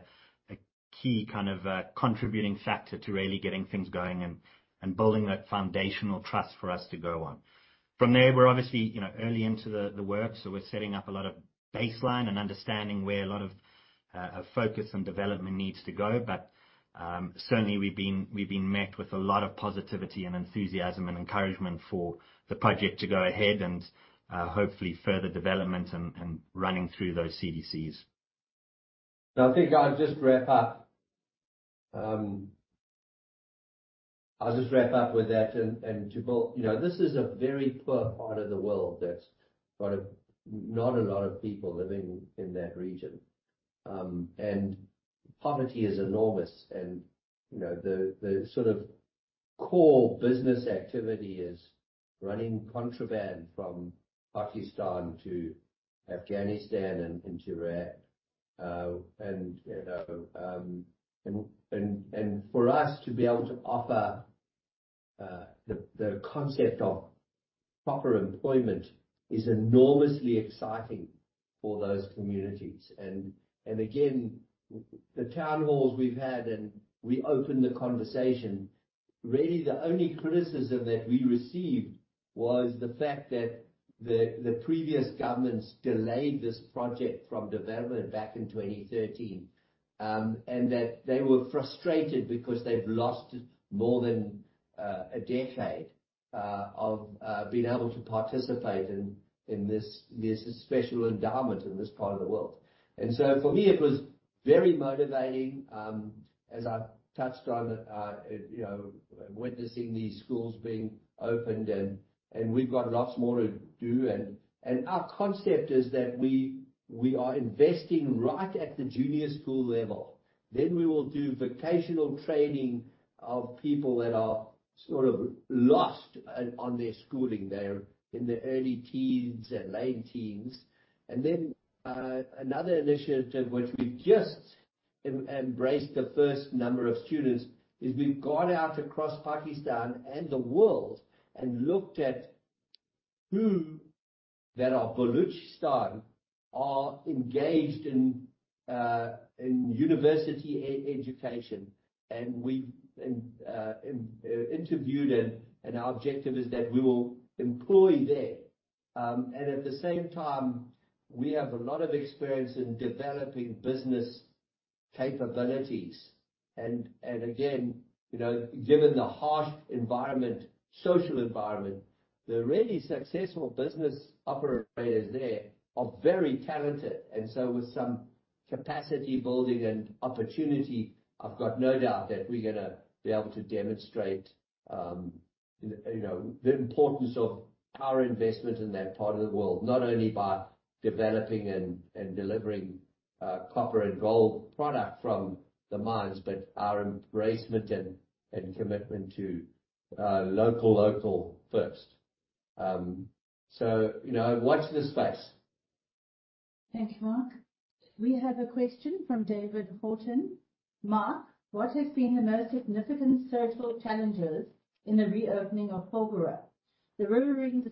key kind of contributing factor to really getting things going and building that foundational trust for us to go on. From there, we're obviously, you know, early into the work, so we're setting up a lot of baseline and understanding where a lot of focus and development needs to go. Certainly we've been met with a lot of positivity and enthusiasm and encouragement for the project to go ahead and hopefully further development and running through those CDCs. I think I'll just wrap up. ... I'll just wrap up with that, and Jabal, you know, this is a very poor part of the world that's got not a lot of people living in that region. Poverty is enormous and, you know, the sort of core business activity is running contraband from Pakistan to Afghanistan and into Iraq. You know, for us to be able to offer the concept of proper employment is enormously exciting for those communities. Again, the town halls we've had, and we opened the conversation, really the only criticism that we received was the fact that the previous governments delayed this project from development back in 2013. They were frustrated because they've lost more than 1 decade of being able to participate in this special endowment in this part of the world. For me, it was very motivating, as I've touched on, you know, witnessing these schools being opened and we've got lots more to do. Our concept is that we are investing right at the junior school level. Then we will do vocational training of people that are sort of lost on their schooling. They're in their early teens and late teens. Then, another initiative, which we've just embraced the first number of students, is we've gone out across Pakistan and the world and looked at who that are Balochistan, are engaged in university education, we've interviewed and our objective is that we will employ there. At the same time, we have a lot of experience in developing business capabilities. Again, you know, given the harsh environment, social environment, the really successful business operators there are very talented. With some capacity building and opportunity, I've got no doubt that we're gonna be able to demonstrate, you know, the importance of our investment in that part of the world, not only by developing and delivering copper and gold product from the mines, but our embracement and commitment to local first. You know, watch this space. Thank you, Mark. We have a question from David Horton. Mark, what has been the most significant social challenges in the reopening of Porgera? The riverine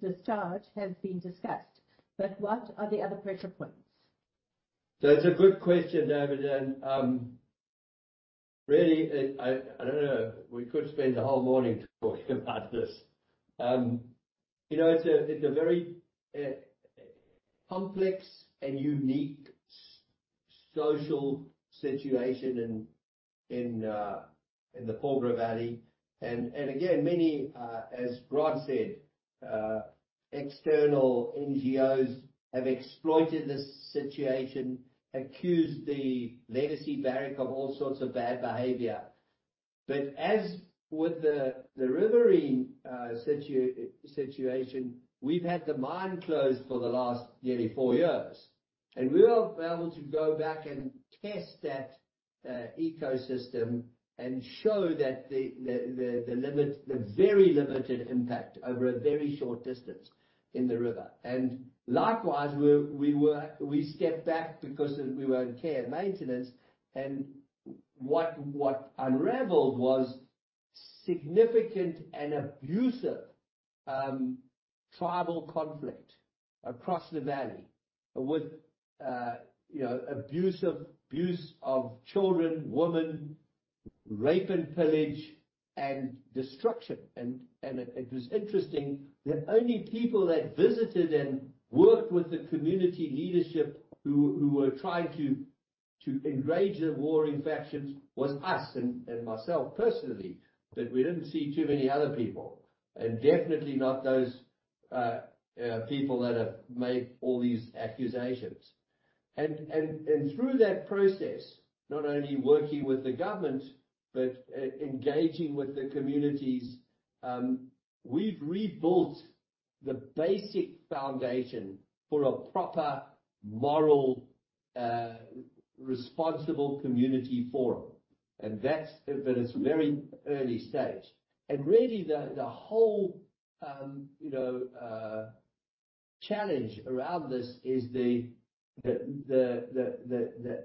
discharge has been discussed, but what are the other pressure points? That's a good question, David, and really, I don't know, we could spend the whole morning talking about this. You know, it's a very complex and unique social situation in the Porgera Valley. Again, many, as Brad said, external NGOs have exploited this situation, accused the legacy Barrick of all sorts of bad behavior. As with the riverine situation, we've had the mine closed for the last nearly four years, and we are able to go back and test that ecosystem and show that the very limited impact over a very short distance in the river. Likewise, we stepped back because we were in care and maintenance, what unraveled was significant and abusive tribal conflict across the valley with, you know, abuse of children, women, rape and pillage and destruction. It was interesting, the only people that visited and worked with the community leadership who were trying to engage the warring factions was us and myself personally, but we didn't see too many other people, and definitely not those people that have made all these accusations. Through that process, not only working with the government, but engaging with the communities, we've rebuilt the basic foundation for a proper, moral, responsible community forum. It's very early stage. Really the whole, you know, challenge around this is the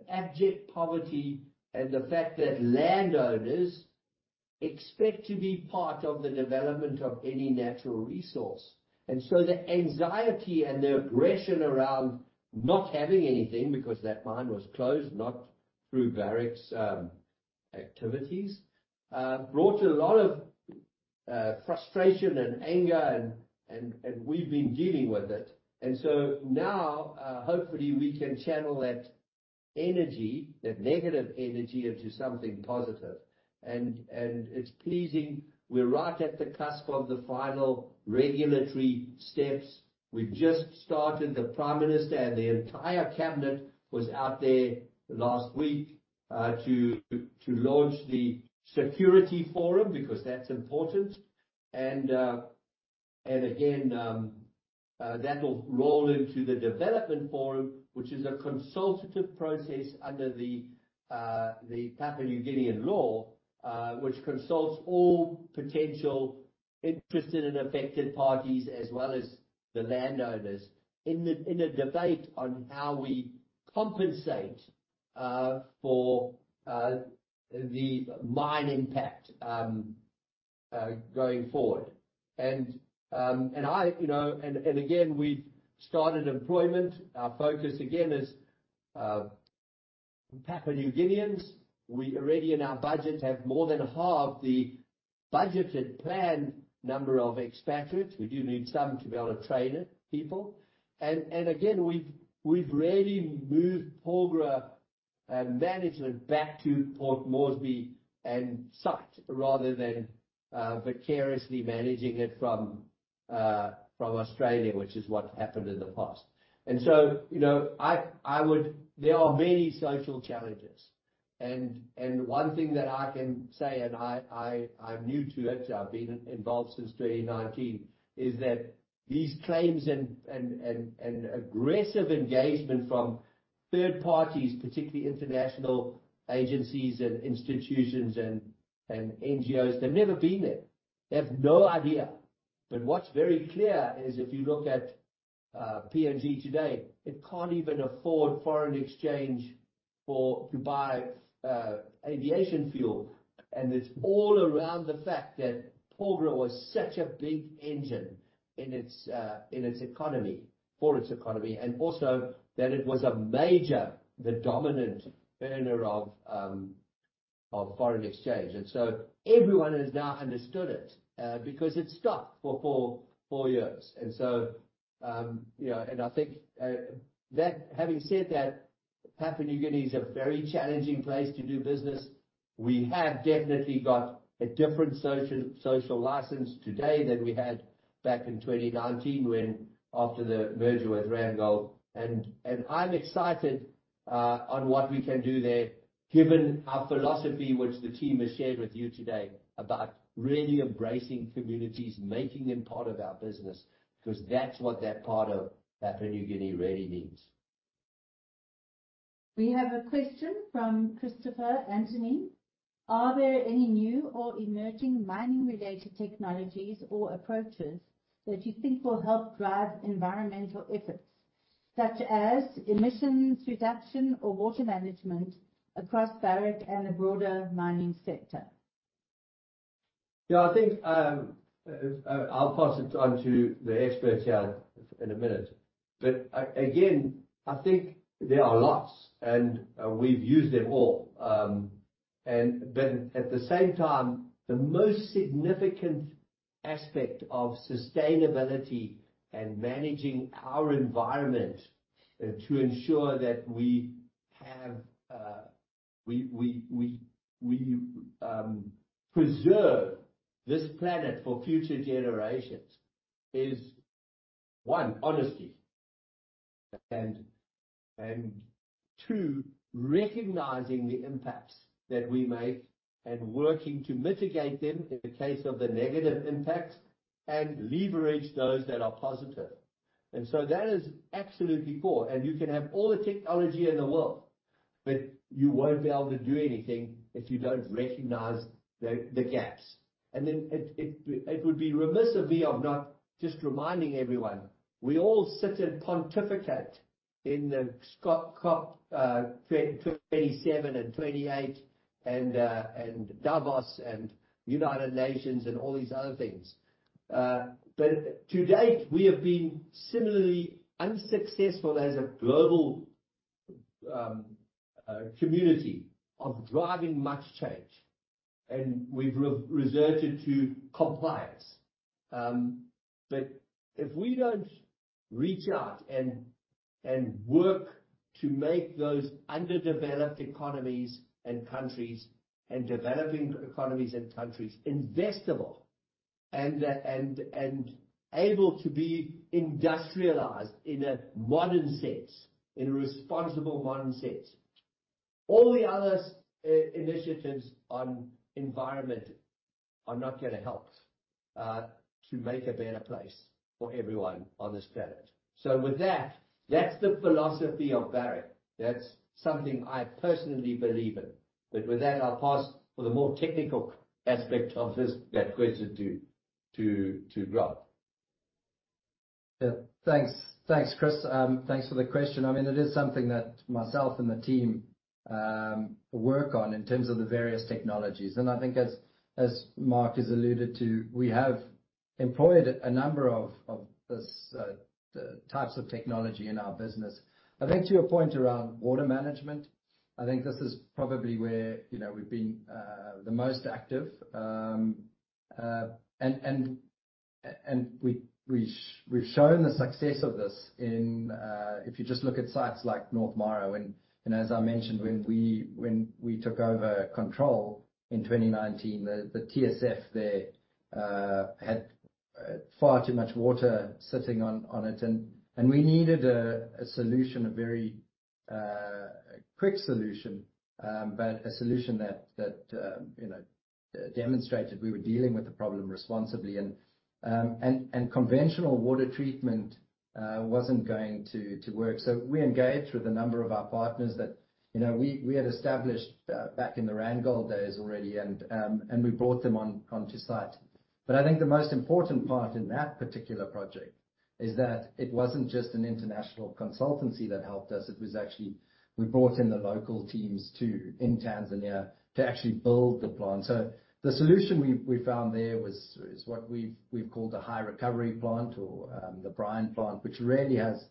abject poverty and the fact that landowners expect to be part of the development of any natural resource. The anxiety and the aggression around not having anything because that mine was closed, not through Barrick's activities, brought a lot of frustration and anger and we've been dealing with it. Now, hopefully we can channel that energy, that negative energy, into something positive. It's pleasing. We're right at the cusp of the final regulatory steps. We've just started. The Prime Minister and the entire cabinet was out there last week, to launch the security forum, because that's important. Again, that will roll into the development forum, which is a consultative process under the Papua New Guinean law, which consults all potential interested and affected parties, as well as the landowners, in a debate on how we compensate for the mine impact going forward. I, you know, again, we've started employment. Our focus again, is Papua New Guineans. We already in our budget, have more than half the budgeted planned number of expatriates. We do need some to be able to train the people. Again, we've really moved Porgera management back to Port Moresby and site, rather than vicariously managing it from Australia, which is what happened in the past. You know, there are many social challenges, and one thing that I can say, and I'm new to it, I've been involved since 2019, is that these claims and aggressive engagement from third parties, particularly international agencies and institutions and NGOs, they've never been there. They have no idea. What's very clear is if you look at PNG today, it can't even afford foreign exchange to buy aviation fuel. It's all around the fact that Porgera was such a big engine in its economy, for its economy, and also that it was a major, the dominant earner of foreign exchange. Everyone has now understood it because it stopped for 4 years. You know, I think that having said that, Papua New Guinea is a very challenging place to do business. We have definitely got a different social license today than we had back in 2019, when after the merger with Randgold. I'm excited on what we can do there, given our philosophy, which the team has shared with you today, about really embracing communities, making them part of our business, because that's what that part of Papua New Guinea really needs. We have a question from Christopher Anthony: Are there any new or emerging mining-related technologies or approaches that you think will help drive environmental efforts, such as emissions reduction or water management across Barrick and the broader mining sector? Yeah, I think I'll pass it on to the experts here in a minute. Again, I think there are lots, and we've used them all. At the same time, the most significant aspect of sustainability and managing our environment, and to ensure that we have we preserve this planet for future generations, is 1, honesty, and 2, recognizing the impacts that we make and working to mitigate them in the case of the negative impacts, and leverage those that are positive. That is absolutely core. You can have all the technology in the world, but you won't be able to do anything if you don't recognize the gaps. it would be remiss of me of not just reminding everyone, we all sit and pontificate in the Scot, COP 27 and 28, and Davos and United Nations and all these other things. to date, we have been similarly unsuccessful as a global community of driving much change, and we've resorted to compliance. if we don't reach out and work to make those underdeveloped economies and countries, and developing economies and countries investable and able to be industrialized in a modern sense, in a responsible, modern sense, all the other initiatives on environment are not gonna help to make a better place for everyone on this planet. With that's the philosophy of Barrick. That's something I personally believe in. With that, I'll pass for the more technical aspect of this, that question to Rob. Yeah. Thanks. Thanks, Chris. Thanks for the question. I mean, it is something that myself and the team work on in terms of the various technologies. I think as Mark has alluded to, we have employed a number of this types of technology in our business. I think to your point around water management, I think this is probably where, you know, we've been the most active. We've shown the success of this in if you just look at sites like North Mara, and as I mentioned, when we took over control in 2019, the TSF there had far too much water sitting on it. We needed a solution, a very. quick solution, but a solution that, you know, demonstrated we were dealing with the problem responsibly. Conventional water treatment wasn't going to work, so we engaged with a number of our partners that, you know, we had established back in the Randgold days already, and we brought them onto site. I think the most important part in that particular project is that it wasn't just an international consultancy that helped us. It was actually, we brought in the local teams, too, in Tanzania, to actually build the plant. The solution we found there was, is what we've called a High Recovery Plant or the brine plant, which really has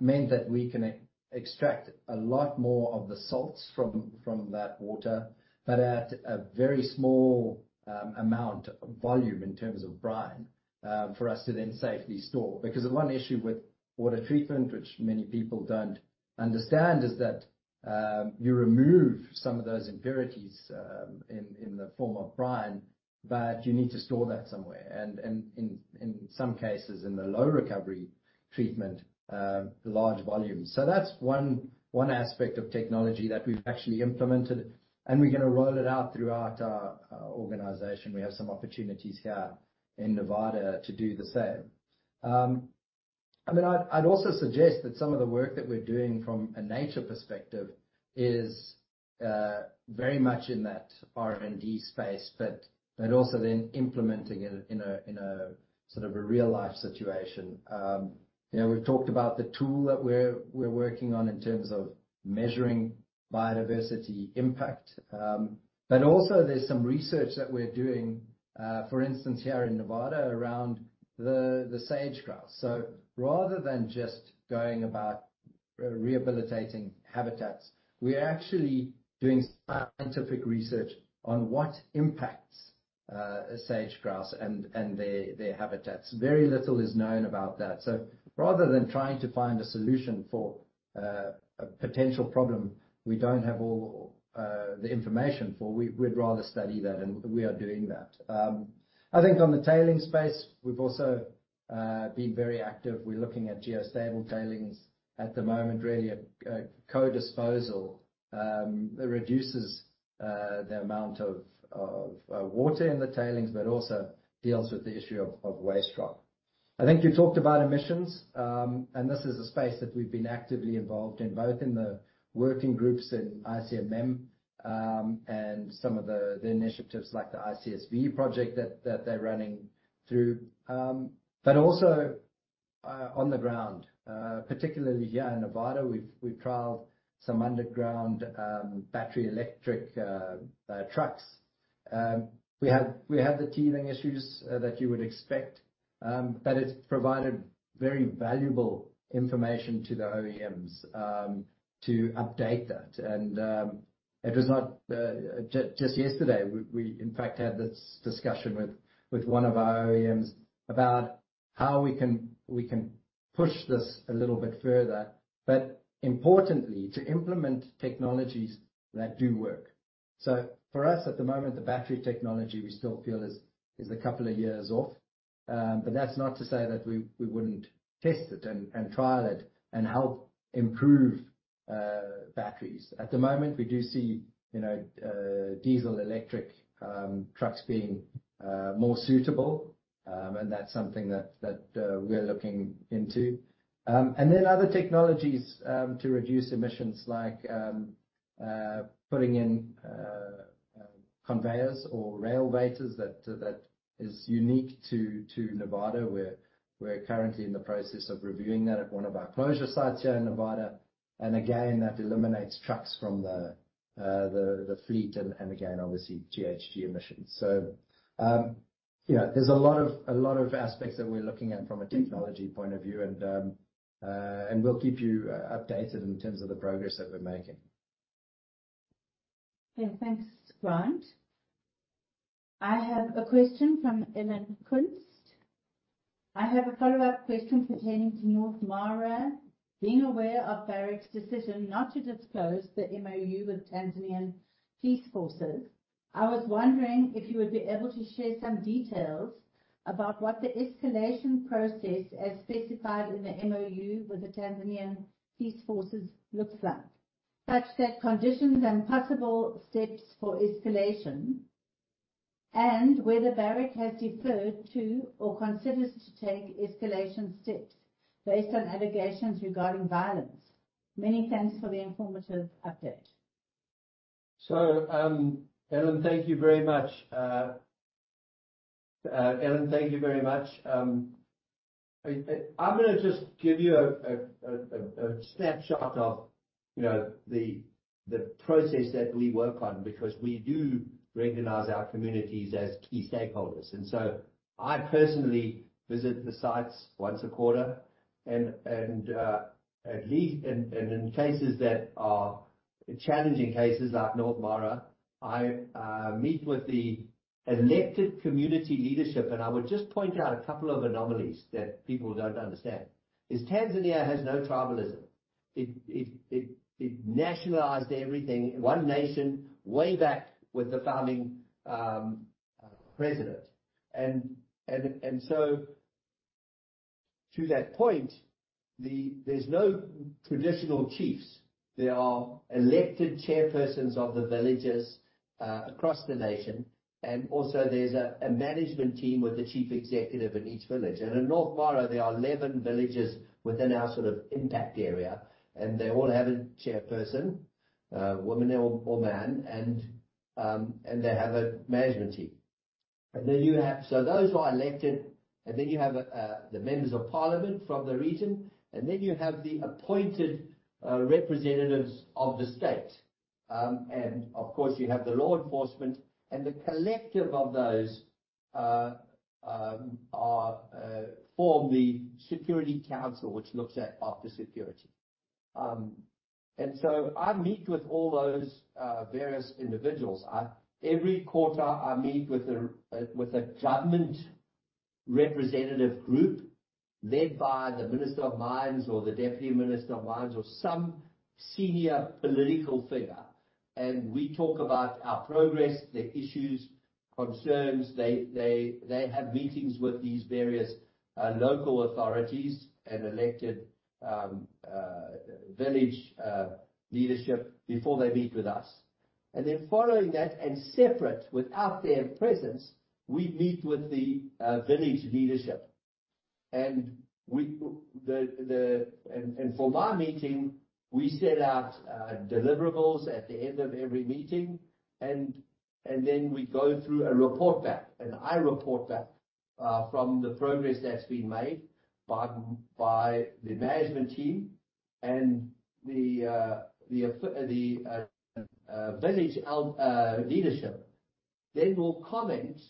meant that we can e-extract a lot more of the salts from that water, but at a very small amount of volume in terms of brine for us to then safely store. The one issue with water treatment, which many people don't understand, is that you remove some of those impurities in the form of brine, but you need to store that somewhere and in some cases, in the low recovery treatment, large volumes. That's one aspect of technology that we've actually implemented, and we're gonna roll it out throughout our organization. We have some opportunities here in Nevada to do the same. I mean, I'd also suggest that some of the work that we're doing from a nature perspective is very much in that R&D space, but also then implementing it in a sort of a real-life situation. you know, we've talked about the tool that we're working on in terms of measuring biodiversity impact. but also there's some research that we're doing, for instance, here in Nevada around the sage-grouse. Rather than just going about rehabilitating habitats, we are actually doing scientific research on what impacts a sage-grouse and their habitats. Very little is known about that. Rather than trying to find a solution for a potential problem we don't have all the information for, we'd rather study that, and we are doing that. I think on the tailing space, we've also been very active. We're looking at GeoStable Tailings. At the moment, really, a co-disposal, it reduces the amount of water in the tailings, but also deals with the issue of waste rock. I think you talked about emissions. This is a space that we've been actively involved in, both in the working groups in ICMM, and some of the initiatives like the ICSV project that they're running through. Also, on the ground, particularly here in Nevada, we've trialed some underground battery electric trucks. We had the teething issues that you would expect, but it's provided very valuable information to the OEMs, to update that. It was not just yesterday, we, in fact, had this discussion with one of our OEMs about how we can push this a little bit further, but importantly, to implement technologies that do work. For us, at the moment, the battery technology, we still feel is a couple of years off. That's not to say that we wouldn't test it and trial it and help improve batteries. At the moment, we do see, you know, diesel-electric trucks being more suitable, and that's something that we are looking into. Then other technologies to reduce emissions like putting in conveyors or Rail-Veyors, that is unique to Nevada, where we're currently in the process of reviewing that at one of our closure sites here in Nevada. Again, that eliminates trucks from the fleet and again, obviously, GHG emissions. You know, there's a lot of aspects that we're looking at from a technology point of view, and we'll keep you updated in terms of the progress that we're making. Okay, thanks, Grant. I have a question from Ellen Kunst: "I have a follow-up question pertaining to North Mara. Being aware of Barrick's decision not to disclose the MoU with Tanzanian Police Force, I was wondering if you would be able to share some details about what the escalation process, as specified in the MoU with the Tanzanian Police Force, looks like, such that conditions and possible steps for escalation, and whether Barrick has deferred to or considers to take escalation steps based on allegations regarding violence. Many thanks for the informative update. Ellen, thank you very much. I'm gonna just give you a snapshot of, you know, the process that we work on, because we do recognize our communities as key stakeholders. I personally visit the sites once a quarter and at least, and in cases that are challenging cases like North Mara, I meet with the elected community leadership. I would just point out a couple of anomalies that people don't understand, is Tanzania has no tribalism. It nationalized everything, one nation, way back with the founding president. To that point, there's no traditional chiefs. There are elected chairpersons of the villages, across the nation, and also there's a management team with the chief executive in each village. In North Mara, there are 11 villages within our sort of impact area, and they all have a chairperson, woman or man, and they have a management team. Those are elected, and then you have the members of parliament from the region, and then you have the appointed representatives of the state. Of course, you have the law enforcement and the collective of those are form the security council, which looks at after security. I meet with all those various individuals. Every quarter, I meet with a with a government representative group led by the Minister of Mines or the Deputy Minister of Mines or some senior political figure. We talk about our progress, the issues, concerns. They have meetings with these various local authorities and elected village leadership before they meet with us. Following that, and separate, without their presence, we meet with the village leadership. We, the... For my meeting, we set out deliverables at the end of every meeting, and then we go through a report back. I report back from the progress that's been made by the management team and the village leadership. We'll comment,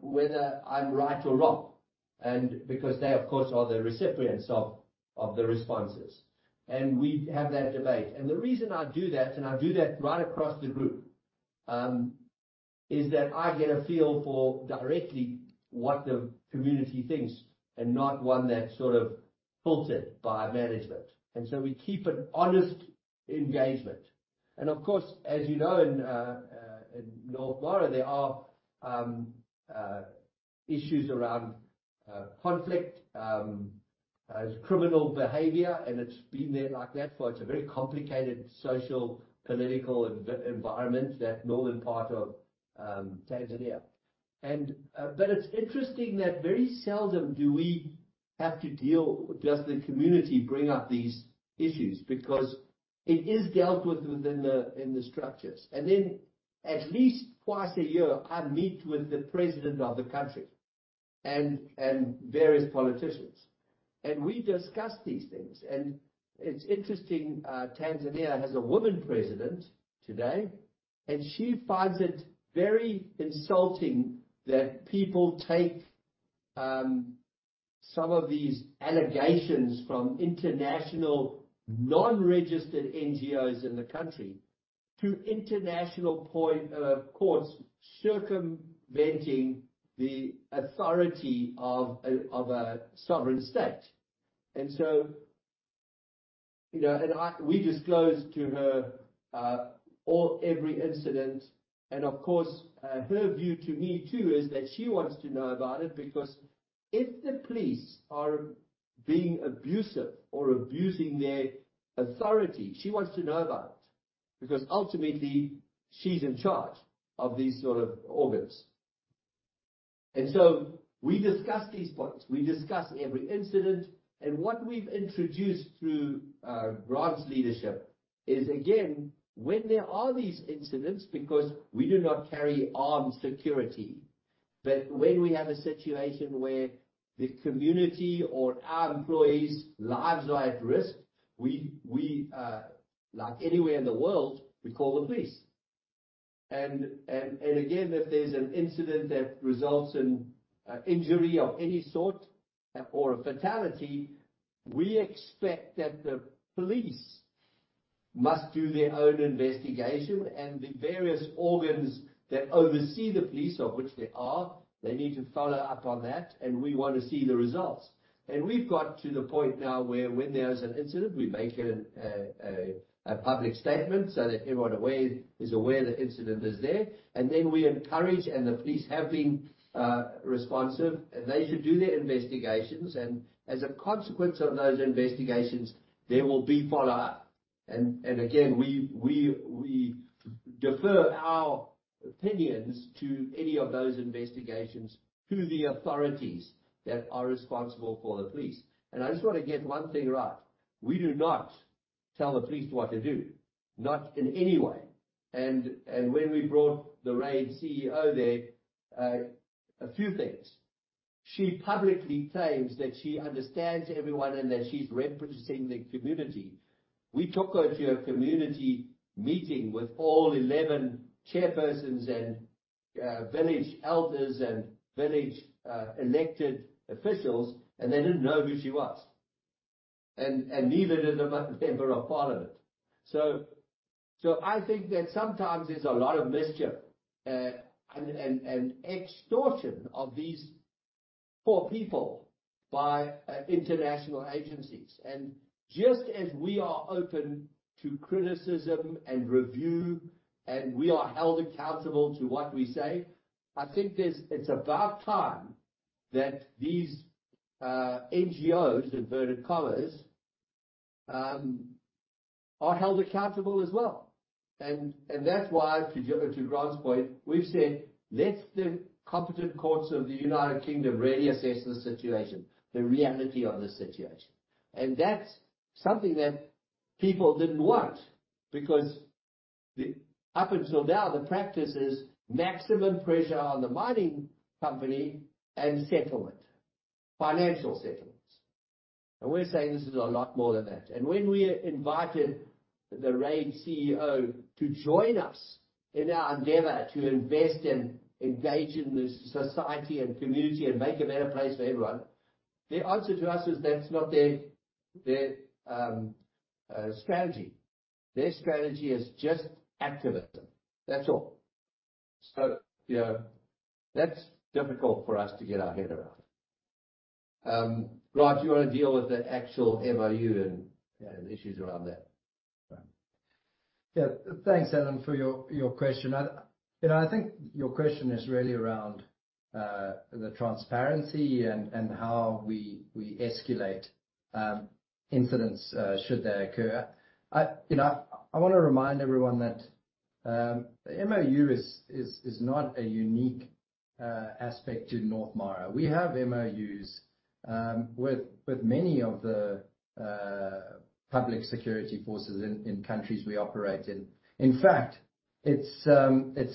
whether I'm right or wrong. Because they, of course, are the recipients of the responses. We have that debate. The reason I do that, and I do that right across the group, is that I get a feel for directly what the community thinks, and not one that's sort of filtered by management. We keep an honest engagement. Of course, as you know, in North Mara, there are issues around conflict, criminal behavior, and it's been there like that, for it's a very complicated social, political, environment, that northern part of Tanzania. It's interesting that very seldom does the community bring up these issues, because it is dealt with within the structures. Then at least twice a year, I meet with the president of the country and various politicians, and we discuss these things. It's interesting, Tanzania has a woman president today, and she finds it very insulting that people take some of these allegations from international, non-registered NGOs in the country to international point, courts, circumventing the authority of a sovereign state. So, you know, we disclose to her, all, every incident. Of course, her view to me, too, is that she wants to know about it, because if the police are being abusive or abusing their authority, she wants to know about it, because ultimately, she's in charge of these sort of organs. So we discuss these points, we discuss every incident. What we've introduced through Grant's leadership is, again, when there are these incidents, because we do not carry armed security, that when we have a situation where the community or our employees' lives are at risk, we like anywhere in the world, we call the police. Again, if there's an incident that results in injury of any sort or a fatality, we expect that the police must do their own investigation, and the various organs that oversee the police, of which there are, they need to follow up on that, and we want to see the results. We've got to the point now where when there's an incident, we make a public statement so that everyone aware, is aware the incident is there. We encourage, and the police have been responsive, and they should do their investigations. As a consequence of those investigations, there will be follow-up. Again, we defer our opinions to any of those investigations to the authorities that are responsible for the police. I just want to get one thing right: We do not tell the police what to do, not in any way. When we brought the RAID CEO there, a few things. She publicly claims that she understands everyone and that she's representing the community. We took her to a community meeting with all 11 chairpersons and village elders and village elected officials, and they didn't know who she was, and neither did the member of parliament. I think that sometimes there's a lot of mischief, and extortion of these poor people by international agencies. Just as we are open to criticism and review, and we are held accountable to what we say. I think it's about time that these NGOs, inverted commas, are held accountable as well. That's why, to Grant's point, we've said, "Let the competent courts of the United Kingdom really assess the situation, the reality of the situation." That's something that people didn't want, because up until now, the practice is maximum pressure on the mining company and settlement, financial settlements. We're saying this is a lot more than that. When we invited the RAID CEO to join us in our endeavor to invest and engage in this society and community and make a better place for everyone, their answer to us is, that's not their strategy. Their strategy is just activism. That's all. You know, that's difficult for us to get our head around. Grant, do you want to deal with the actual MOU and issues around that? Yeah. Thanks, Alan, for your question. I, you know, I think your question is really around the transparency and how we escalate incidents should they occur. I, you know, I wanna remind everyone that MOU is not a unique aspect to North Mara. We have MOUs with many of the public security forces in countries we operate in. In fact, it's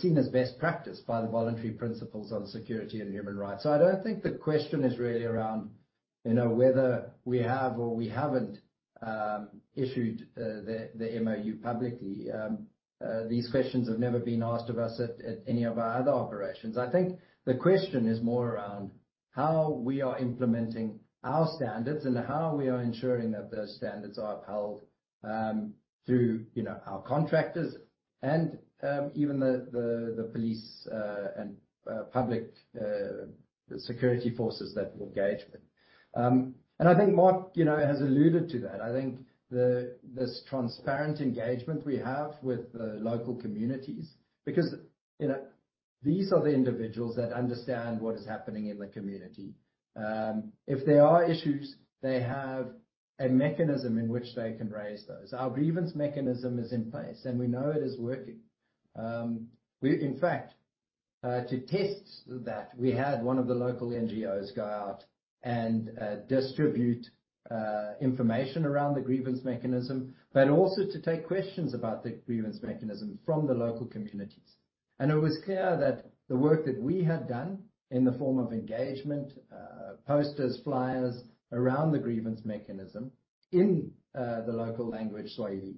seen as best practice by the Voluntary Principles on Security and Human Rights. I don't think the question is really around, you know, whether we have or we haven't issued the MOU publicly. These questions have never been asked of us at any of our other operations. I think the question is more around how we are implementing our standards, and how we are ensuring that those standards are upheld through our contractors and even the police and public security forces that we engage with. I think Mark has alluded to that. I think this transparent engagement we have with the local communities, because these are the individuals that understand what is happening in the community. If there are issues, they have a mechanism in which they can raise those. Our grievance mechanism is in place, and we know it is working. In fact, to test that, we had one of the local NGOs go out and distribute information around the grievance mechanism, but also to take questions about the grievance mechanism from the local communities. It was clear that the work that we had done in the form of engagement, posters, flyers around the grievance mechanism in the local language, Swahili,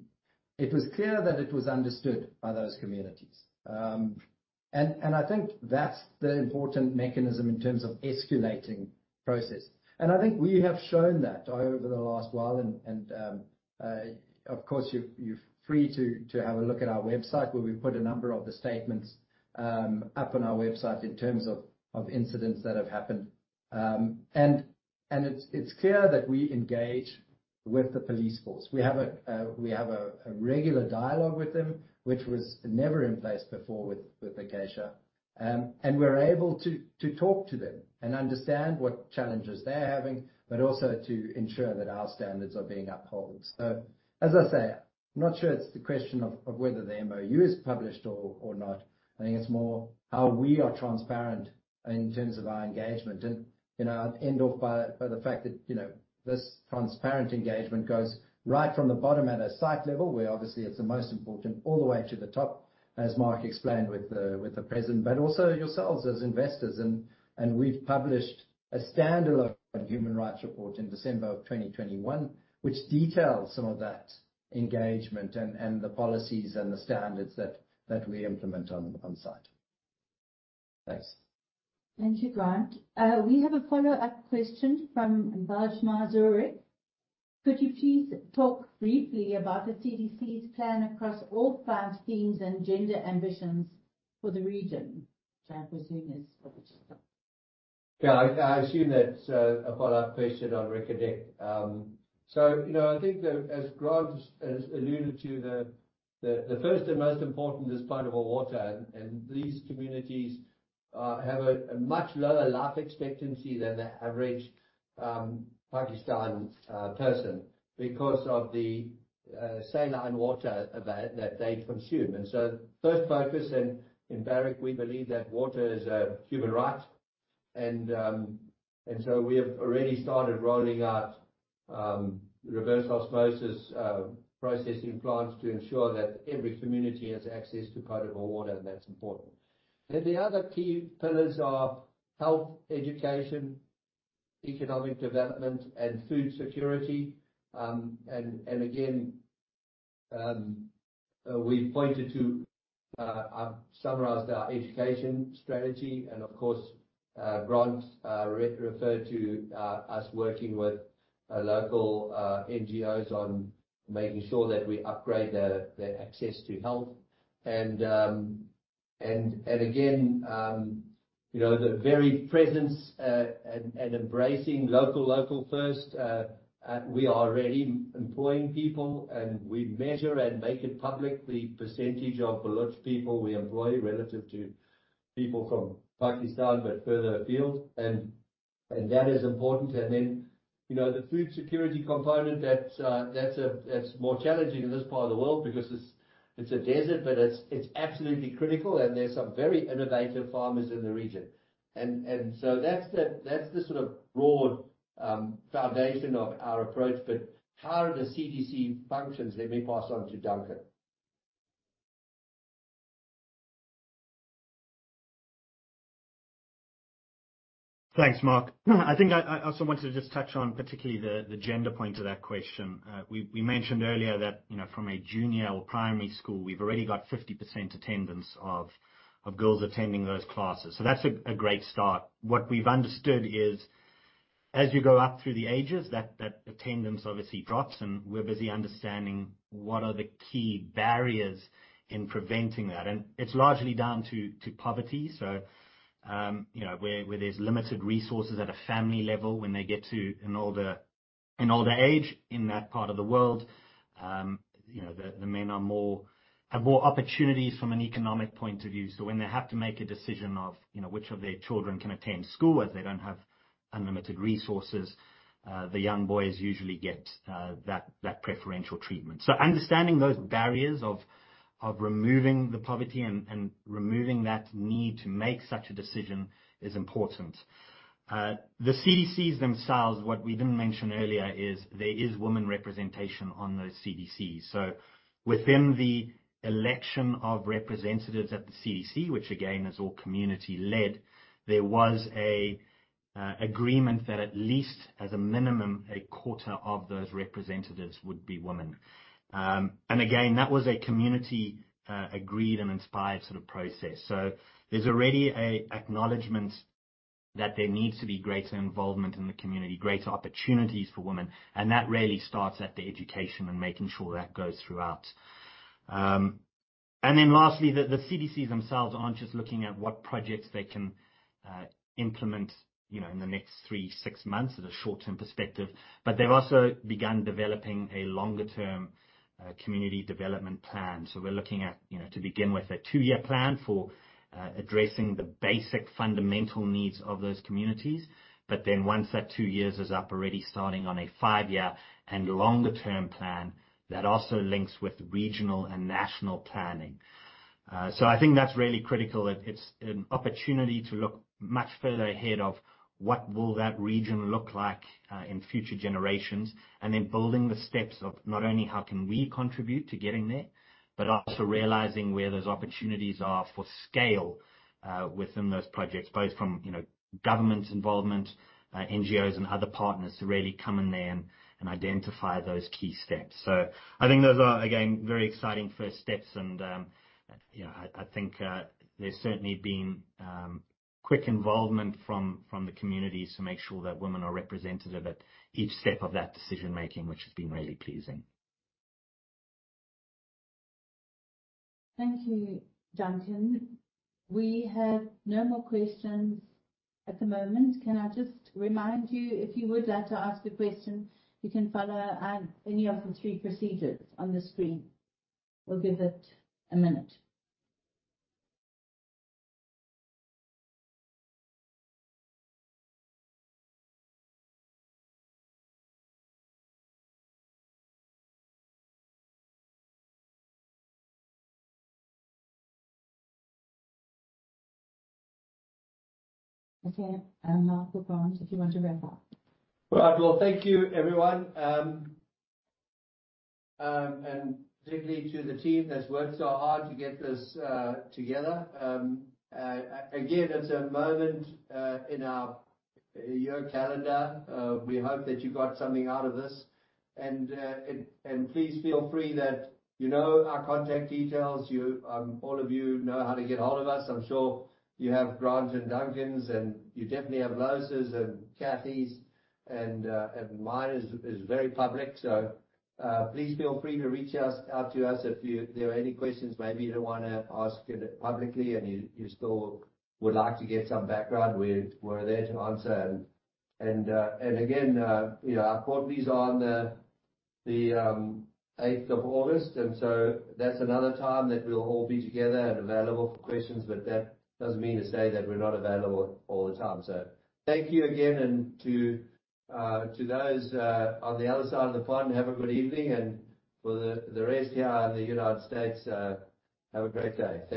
it was clear that it was understood by those communities. I think that's the important mechanism in terms of escalating process. I think we have shown that over the last while, and of course, you're free to have a look at our website, where we've put a number of the statements up on our website in terms of incidents that have happened. It's clear that we engage with the police force. We have a regular dialogue with them, which was never in place before with Acacia. We're able to talk to them and understand what challenges they're having, but also to ensure that our standards are being upheld. As I say, I'm not sure it's the question of whether the MOU is published or not. I think it's more how we are transparent in terms of our engagement. You know, I'd end off by the fact that, you know, this transparent engagement goes right from the bottom at a site level, where obviously it's the most important, all the way to the top, as Mark explained with the president, but also yourselves as investors. We've published a standalone human rights report in December of 2021, which details some of that engagement and the policies and the standards that we implement on-site. Thanks. Thank you, Grant. We have a follow-up question from Bajma Zurich. Could you please talk briefly about the TSF's plan across all plant schemes and gender ambitions for the region? Mark, I assume it's for you. Yeah, I assume that's a follow-up question on Reko Diq. You know, I think that as Grant has alluded to, the first and most important is potable water, and these communities have a much lower life expectancy than the average Pakistan person because of the saline water that they consume. First focus, in Barrick, we believe that water is a human right, and so we have already started rolling out reverse osmosis processing plants to ensure that every community has access to potable water, and that's important. The other key pillars are health, education, economic development, and food security. And again, we pointed to... I've summarized our education strategy, and of course, Grant referred to us working with local NGOs on making sure that we upgrade their access to health. Again, you know, the very presence and embracing local first, we are already employing people, and we measure and make it public, the percentage of Baloch people we employ relative to people from Pakistan, but further afield, and that is important. Then, you know, the food security component, that's more challenging in this part of the world because it's a desert, but it's absolutely critical, and there's some very innovative farmers in the region. So that's the sort of broad foundation of our approach. How do the CDC functions? Let me pass on to Duncan. Thanks, Mark. I think I also wanted to just touch on particularly the gender point of that question. We mentioned earlier that, you know, from a junior or primary school, we've already got 50% attendance of girls attending those classes, so that's a great start. What we've understood is, as you go up through the ages, that attendance obviously drops, and we're busy understanding what are the key barriers in preventing that. It's largely down to poverty. you know, where there's limited resources at a family level, when they get to an older age in that part of the world, you know, the men have more opportunities from an economic point of view. When they have to make a decision of, you know, which of their children can attend school, as they don't have unlimited resources, the young boys usually get that preferential treatment. Understanding those barriers of removing the poverty and removing that need to make such a decision is important. The CDCs themselves, what we didn't mention earlier, is there is woman representation on those CDCs. Within the election of representatives at the CDC, which again, is all community-led, there was a agreement that at least as a minimum, a quarter of those representatives would be women. Again, that was a community agreed and inspired sort of process. There's already a acknowledgment that there needs to be greater involvement in the community, greater opportunities for women, and that really starts at the education and making sure that goes throughout. Lastly, the CDCs themselves aren't just looking at what projects they can implement, you know, in the next 3, 6 months at a short-term perspective, but they've also begun developing a longer-term community development plan. We're looking at, you know, to begin with, a 2-year plan for addressing the basic fundamental needs of those communities. Once that two years is up, already starting on a 5-year and longer-term plan, that also links with regional and national planning. I think that's really critical. It's an opportunity to look much further ahead of what will that region look like in future generations, and then building the steps of not only how can we contribute to getting there, but also realizing where those opportunities are for scale within those projects, both from, you know, government's involvement, NGOs and other partners to really come in there and identify those key steps. I think those are, again, very exciting first steps, and, you know, I think there's certainly been quick involvement from the communities to make sure that women are representative at each step of that decision-making, which has been really pleasing. Thank you, Duncan. We have no more questions at the moment. Can I just remind you, if you would like to ask a question, you can follow any of the three procedures on the screen. We'll give it a minute. Okay, Mark or Grant, if you want to wrap up. you, everyone. And particularly to the team that's worked so hard to get this together. Again, it's a moment in our year calendar. We hope that you got something out of this, and please feel free that you know our contact details, you all of you know how to get ahold of us. I'm sure you have Grant's and Duncan's, and you definitely have Loreto's and Kathy's, and mine is very public. So, please feel free to reach out to us if there are any questions. Maybe you don't want to ask it publicly, and you still would like to get some background. We're there to answer and again, you know, our board meeting is on the eighth of August. That's another time that we'll all be together and available for questions, but that doesn't mean to say that we're not available all the time. Thank you again, and to those on the other side of the pond, have a good evening, and for the rest here in the United States, have a great day. Thank you.